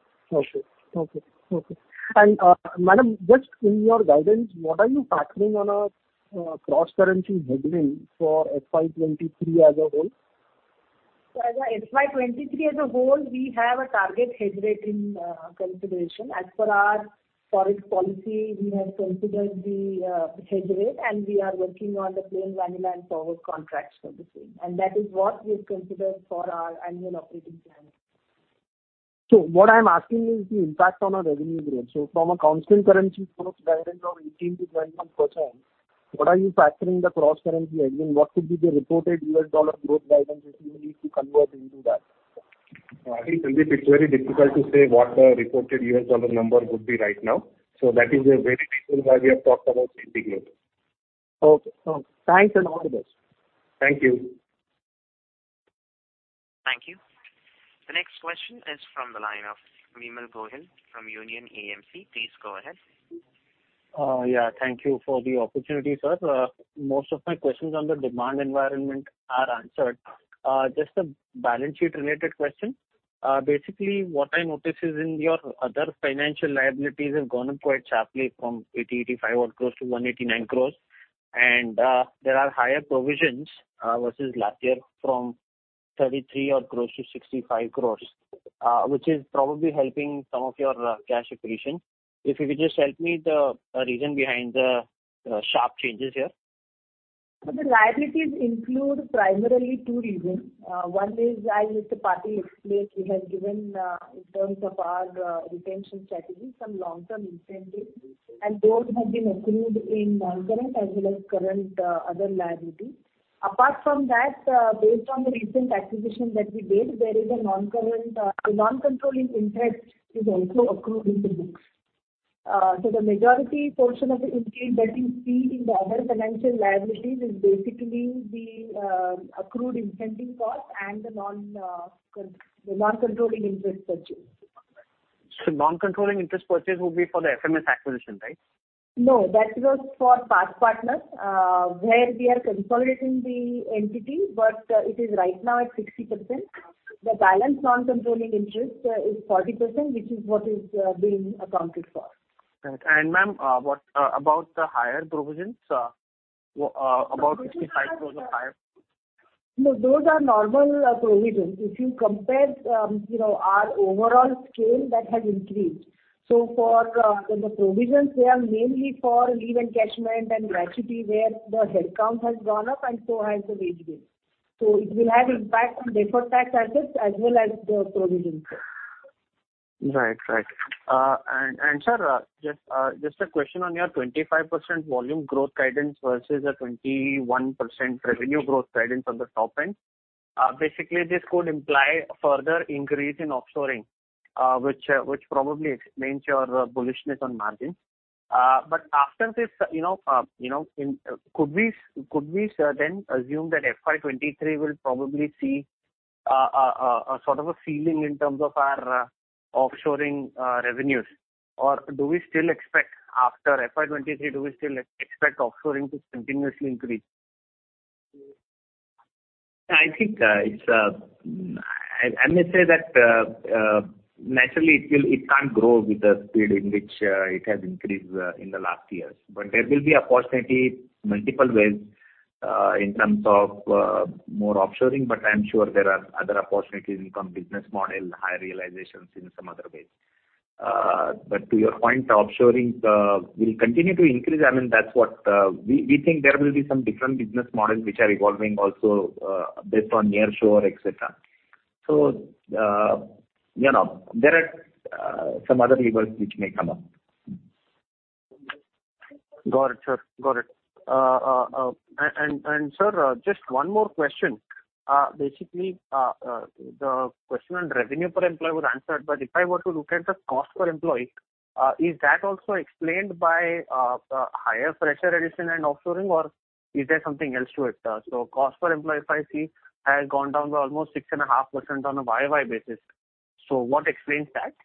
Madam, just in your guidance, what are you factoring in a cross-currency hedging for FY 2023 as a whole? As a FY 2023 as a whole, we have a target hedge rate in consideration. As per our forex policy, we have considered the hedge rate and we are working on the plain vanilla and forward contracts for the same. That is what we have considered for our annual operating plan. What I'm asking is the impact on our revenue growth. From a constant currency growth guidance of 18%-21%, what are you factoring the cross-currency hedging? What could be the reported $ growth guidance if you need to convert into that? I think, Dilip, it's very difficult to say what the reported $ number would be right now. That is a very detailed guide we have talked about recently. Okay. Thanks and all the best. Thank you. Thank you. The next question is from the line of Vimal Gohil from Union AMC. Please go ahead. Yeah, thank you for the opportunity, sir. Most of my questions on the demand environment are answered. Just a balance sheet related question. Basically what I notice is in your other financial liabilities have gone up quite sharply from 85-odd crore to 189 crore. There are higher provisions versus last year from 33-odd crore to 65 crore, which is probably helping some of your cash accretion. If you could just help me the reason behind the sharp changes here. The liabilities include primarily two reasons. One is as Mr. Patil explained, we have given, in terms of our, retention strategy, some long-term incentive, and those have been accrued in non-current as well as current, other liability. Apart from that, based on the recent acquisition that we made, there is a non-current, a non-controlling interest is also accrued into books. The majority portion of the increase that you see in the other financial liabilities is basically the, accrued incentive cost and the non-controlling interest purchase. Non-controlling interest purchase would be for the FMS acquisition, right? No, that was for PathPartner Technology, where we are consolidating the entity, but it is right now at 60%. The balance non-controlling interest is 40%, which is what is being accounted for. Right. Ma'am, what about the higher provisions? About 65 crore of higher. No, those are normal provisions. If you compare, you know, our overall scale, that has increased. For the provisions, they are mainly for leave encashment and gratuity, where the headcount has gone up and so has the wage bill. It will have impact on deferred tax assets as well as the provision too. Right. Sir, just a question on your 25% volume growth guidance versus a 21% revenue growth guidance on the top end. Basically this could imply further increase in offshoring, which probably explains your bullishness on margins. After this, you know, could we, sir, then assume that FY 2023 will probably see sort of a ceiling in terms of our offshoring revenues? Or do we still expect after FY 2023 offshoring to continuously increase? I think it's. I must say that naturally it will. It can't grow with the speed in which it has increased in the last years. There will be opportunities in multiple ways in terms of more offshoring, but I'm sure there are other opportunities in terms business model, high realizations in some other ways. To your point, offshoring will continue to increase. I mean, that's what we think there will be some different business models which are evolving also based on nearshore, et cetera. You know, there are some other levers which may come up. Got it, sir. Got it. Sir, just one more question. Basically, the question on revenue per employee was answered, but if I were to look at the cost per employee, is that also explained by higher fresher addition and offshoring or is there something else to it? Cost per employee, if I see, has gone down by almost 6.5% on a YOY basis. What explains that?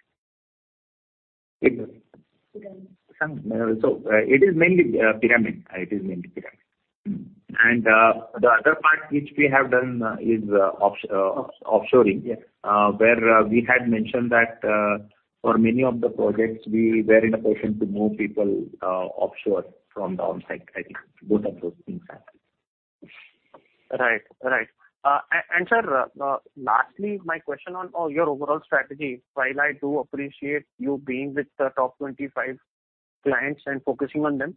Pyramid. Pyramid. It is mainly pyramid. The other part which we have done is offshoring, where we had mentioned that for many of the projects, we were in a position to move people offshore from onsite. I think both of those things are happening. Right. sir, lastly, my question on your overall strategy, while I do appreciate you being with the top 25 clients and focusing on them.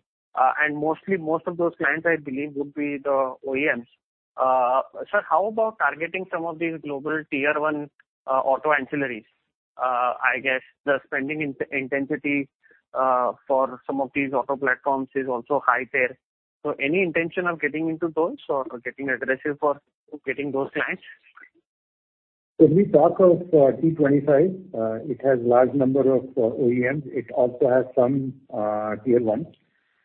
Most of those clients I believe would be the OEMs. sir, how about targeting some of these global tier one auto ancillaries? I guess the spending intensity for some of these auto platforms is also high there. Any intention of getting into those or getting aggressive for getting those clients? When we talk of T25, it has large number of OEMs. It also has some tier ones.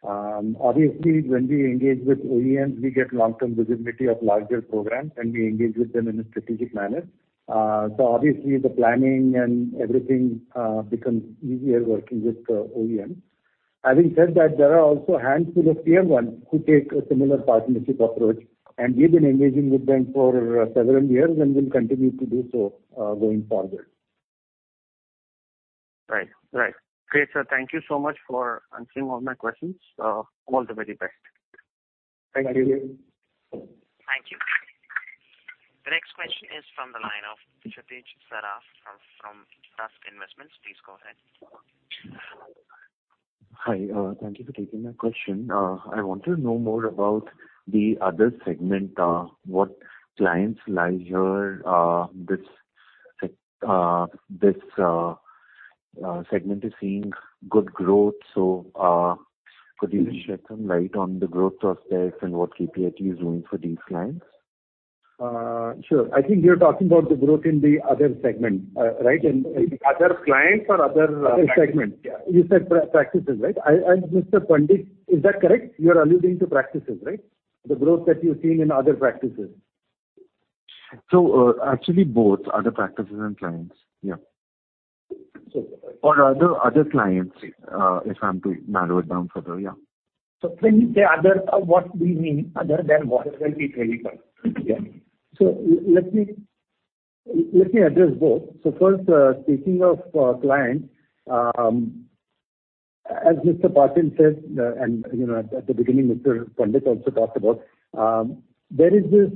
Obviously, when we engage with OEMs, we get long-term visibility of larger programs, and we engage with them in a strategic manner. Obviously the planning and everything becomes easier working with OEMs. Having said that, there are also handful of tier ones who take a similar partnership approach, and we've been engaging with them for several years and will continue to do so going forward. Right. Great, sir. Thank you so much for answering all my questions. All the very best. Thank you. Thank you. Thank you. The next question is from the line of Kshitij Saraf from Tusk Investments. Please go ahead. Hi. Thank you for taking my question. I want to know more about the other segment. What clients are here? This segment is seeing good growth, so could you shed some light on the growth prospects and what KPIT is doing for these clients? Sure. I think you're talking about the growth in the other segment, right? Other clients or other. Segment. Yeah. You said practices, right? And Mr. Pandit, is that correct? You're alluding to practices, right? The growth that you've seen in other practices. Actually, both other practices and clients, yeah. Sure. Other clients, if I'm to narrow it down further, yeah. When you say other, what do you mean? Other than what? That will be very helpful. Let me address both. First, speaking of clients, as Mr. Patil said, and at the beginning Mr. Pandit also talked about, there is this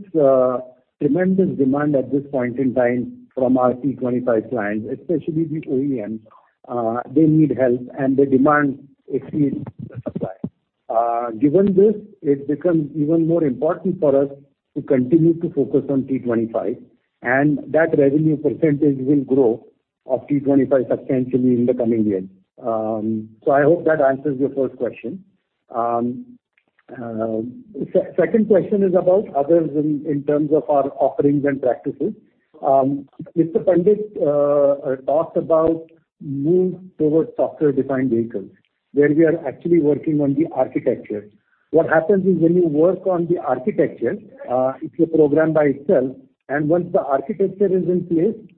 tremendous demand at this point in time from our T25 clients, especially the OEMs. They need help and the demand exceeds the supply. Given this, it becomes even more important for us to continue to focus on T25, and that revenue percentage will grow of T25 substantially in the coming years. I hope that answers your first question. Second question is about others in terms of our offerings and practices. Mr. Pandit talked about the move towards software-defined vehicles, where we are actually working on the architecture. What happens is when you work on the architecture, it's a program by itself, and once the architecture is in place,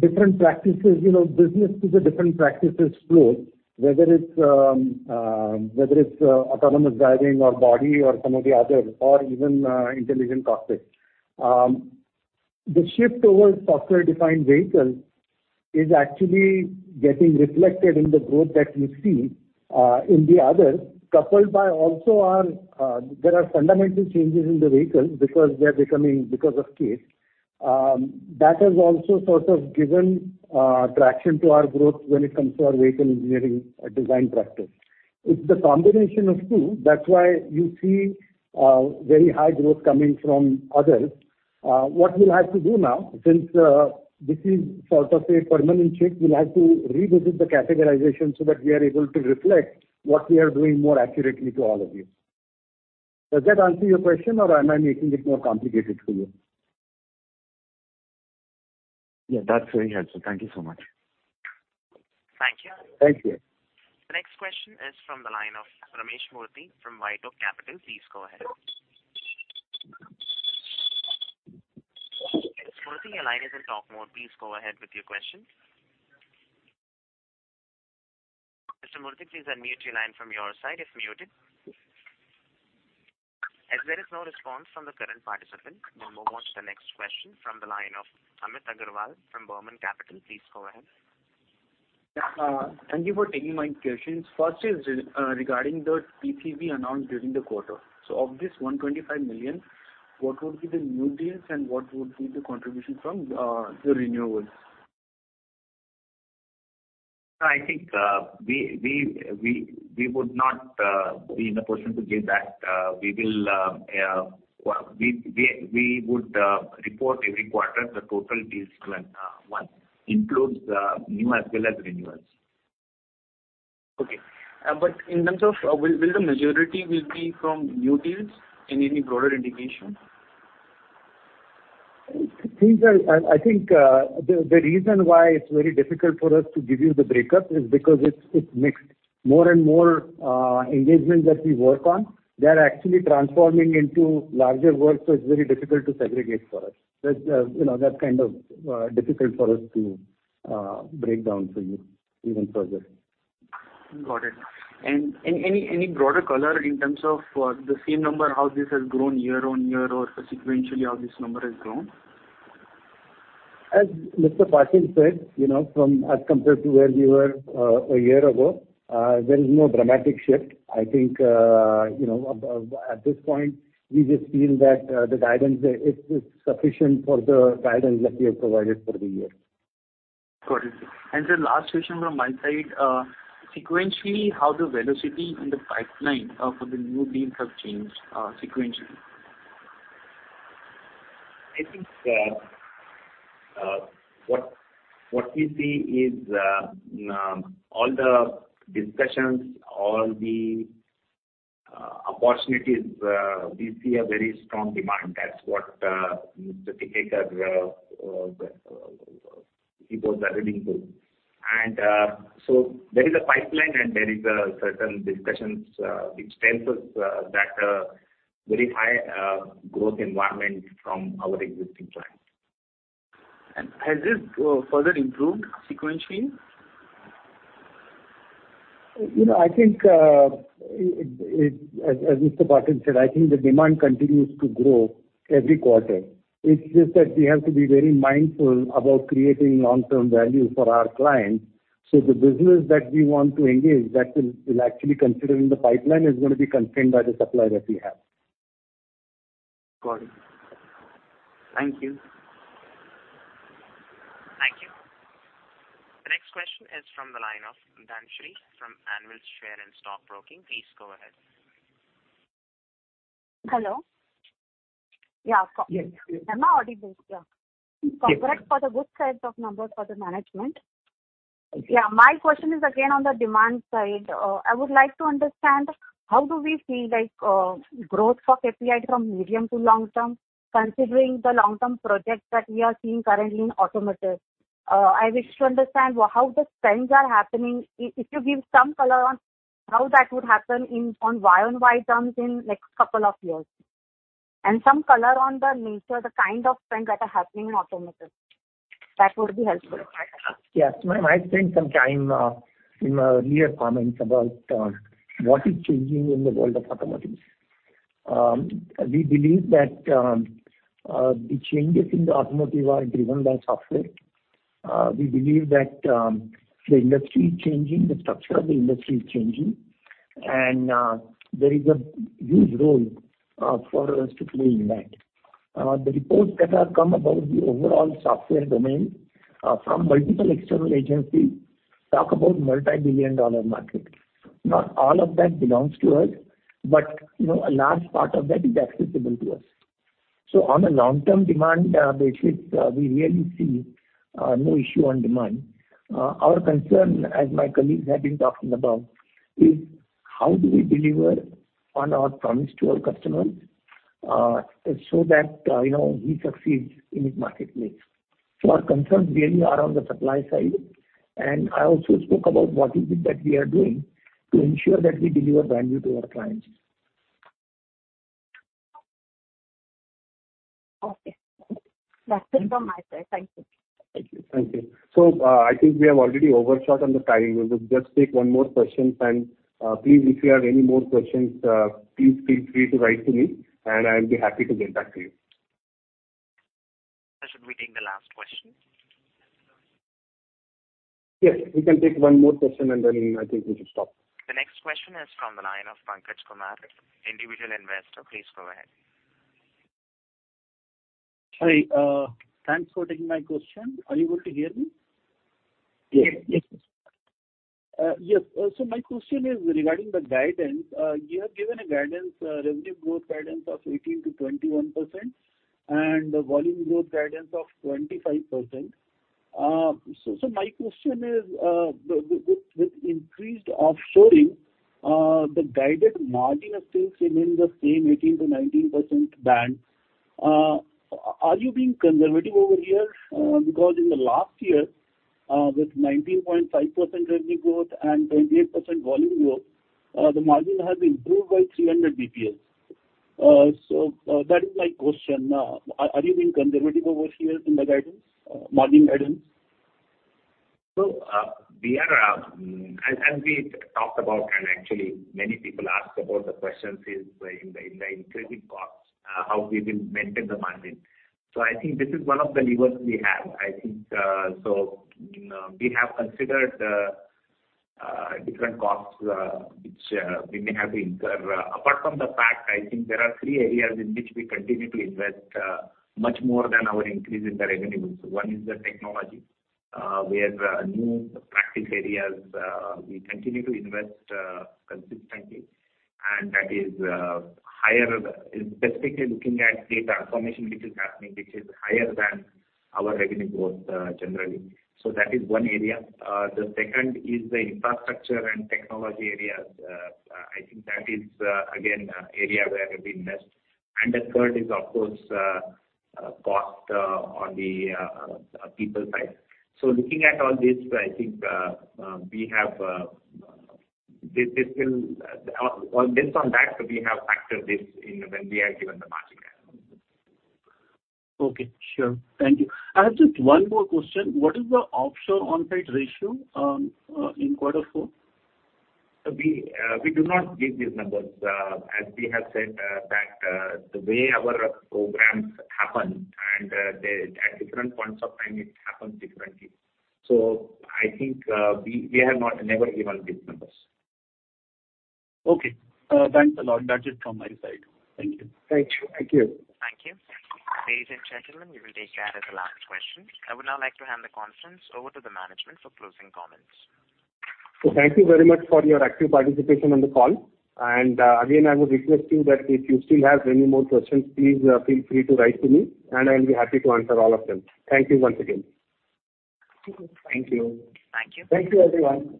different practices, you know, business to the different practices flow, whether it's autonomous driving or body or some of the other or even intelligent cockpit. The shift towards software-defined vehicles is actually getting reflected in the growth that we see in the other, coupled by also our there are fundamental changes in the vehicles because they're becoming because of CASE. That has also sort of given traction to our growth when it comes to our vehicle engineering design practice. It's the combination of two. That's why you see very high growth coming from others. What we'll have to do now, since this is sort of a permanent shift, we'll have to revisit the categorization so that we are able to reflect what we are doing more accurately to all of you. Does that answer your question, or am I making it more complicated for you? Yeah, that's very helpful. Thank you so much. Thank you. Thank you. The next question is from the line of Ramesh Murthy from Vitol Capital. Please go ahead. Murthy, your line is in talk mode. Please go ahead with your question. Mr. Murthy, please unmute your line from your side, if muted. As there is no response from the current participant, we'll move on to the next question from the line of Amit Agarwal from Burman Capital. Please go ahead. Yeah. Thank you for taking my questions. First is, regarding the TCV announced during the quarter. Of this 125 million, what would be the new deals and what would be the contribution from the renewals? I think, we would not be in a position to give that. We would report every quarter the total deals won, includes the new as well as renewals. Okay. In terms of, will the majority be from new deals? Any broader indication? I think the reason why it's very difficult for us to give you the breakup is because it's mixed. More and more engagements that we work on, they're actually transforming into larger work, so it's very difficult to segregate for us. That, you know, that's kind of difficult for us to break down for you even further. Got it. Any broader color in terms of the same number, how this has grown year on year or sequentially how this number has grown? As Mr. Patil said, you know, from as compared to where we were a year ago, there is no dramatic shift. I think, you know, at this point, we just feel that the guidance, it's sufficient for the guidance that we have provided for the year. Got it. The last question from my side. Sequentially, how the velocity in the pipeline for the new deals have changed, sequentially? I think what we see is all the discussions, all the opportunities, we see a very strong demand. That's what Mr. Tikekar or the reports are leading to. There is a pipeline, and there is certain discussions which tells us that very high growth environment from our existing clients. Has this further improved sequentially? You know, I think as Mr. Patil said, I think the demand continues to grow every quarter. It's just that we have to be very mindful about creating long-term value for our clients. The business that we want to engage is actually considering the pipeline is gonna be constrained by the supply that we have. Got it. Thank you. Thank you. The next question is from the line of Dhanshree from Anvil Share and Stock Broking. Please go ahead. Hello? Yeah. Yes. Am I audible? Yeah. Yes. Congrats for the good set of numbers for the management. Yeah, my question is again on the demand side. I would like to understand how we feel the growth for KPIT from medium to long term, considering the long-term projects that we are seeing currently in automotive. I wish to understand how the trends are happening. If you give some color on how that would happen in on year-on-year terms in like a couple of years. Some color on the nature, the kind of trends that are happening in automotive. That would be helpful. Yes, ma'am, I spent some time in my earlier comments about what is changing in the world of automotive. We believe that the changes in the automotive are driven by software. We believe that the industry is changing, the structure of the industry is changing, and there is a huge role for us to play in that. The reports that have come about the overall software domain from multiple external agencies talk about multi-billion-dollar market. Not all of that belongs to us, but, you know, a large part of that is accessible to us. On a long-term demand basis, we really see no issue on demand. Our concern, as my colleagues have been talking about, is how do we deliver on our promise to our customers, so that, you know, he succeeds in his marketplace. Our concerns really are on the supply side, and I also spoke about what is it that we are doing to ensure that we deliver value to our clients. Okay. That's it from my side. Thank you. Thank you. Thank you. I think we have already overshot on the timing. We'll just take one more question and, please, if you have any more questions, please feel free to write to me, and I'll be happy to get back to you. Should we take the last question? Yes. We can take one more question, and then I think we should stop. The next question is from the line of Pankaj Kumar, Individual Investor. Please go ahead. Hi. Thanks for taking my question. Are you able to hear me? Yes. Yes. Yes. My question is regarding the guidance. You have given a guidance, revenue growth guidance of 18%-21% and volume growth guidance of 25%. My question is, with increased offshoring, the guided margin has still remained the same 18%-19% band. Are you being conservative over here? Because in the last year, with 19.5% revenue growth and 28% volume growth, the margin has improved by 300 basis points. That is my question. Are you being conservative over here in the guidance, margin guidance? As we talked about, and actually many people ask about. The question is in the increasing costs, how we will maintain the margin. I think this is one of the levers we have. I think, you know, we have considered different costs, which we may have to incur. Apart from the fact, I think there are three areas in which we continue to invest much more than our increase in the revenue. One is the technology, where new practice areas, we continue to invest consistently, and that is higher, especially looking at data monetization which is happening, which is higher than our revenue growth, generally. That is one area. The second is the infrastructure and technology areas. I think that is again area where we invest. The third is, of course, cost on the people side. Looking at all this, I think, based on that, we have factored this in when we have given the margin guidance. Okay, sure. Thank you. I have just one more question. What is the offshore on-site ratio in quarter four? We do not give these numbers. As we have said, that the way our programs happen at different points of time, it happens differently. I think we have not never given these numbers. Okay. Thanks a lot. That's it from my side. Thank you. Thank you. Thank you. Thank you. Ladies and gentlemen, we will take that as the last question. I would now like to hand the conference over to the management for closing comments. Thank you very much for your active participation on the call. Again, I would request you that if you still have any more questions, please, feel free to write to me, and I'll be happy to answer all of them. Thank you once again. Thank you. Thank you. Thank you, everyone.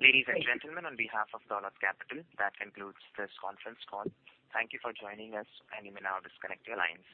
Ladies and gentlemen, on behalf of Dolat Capital, that concludes this conference call. Thank you for joining us, and you may now disconnect your lines.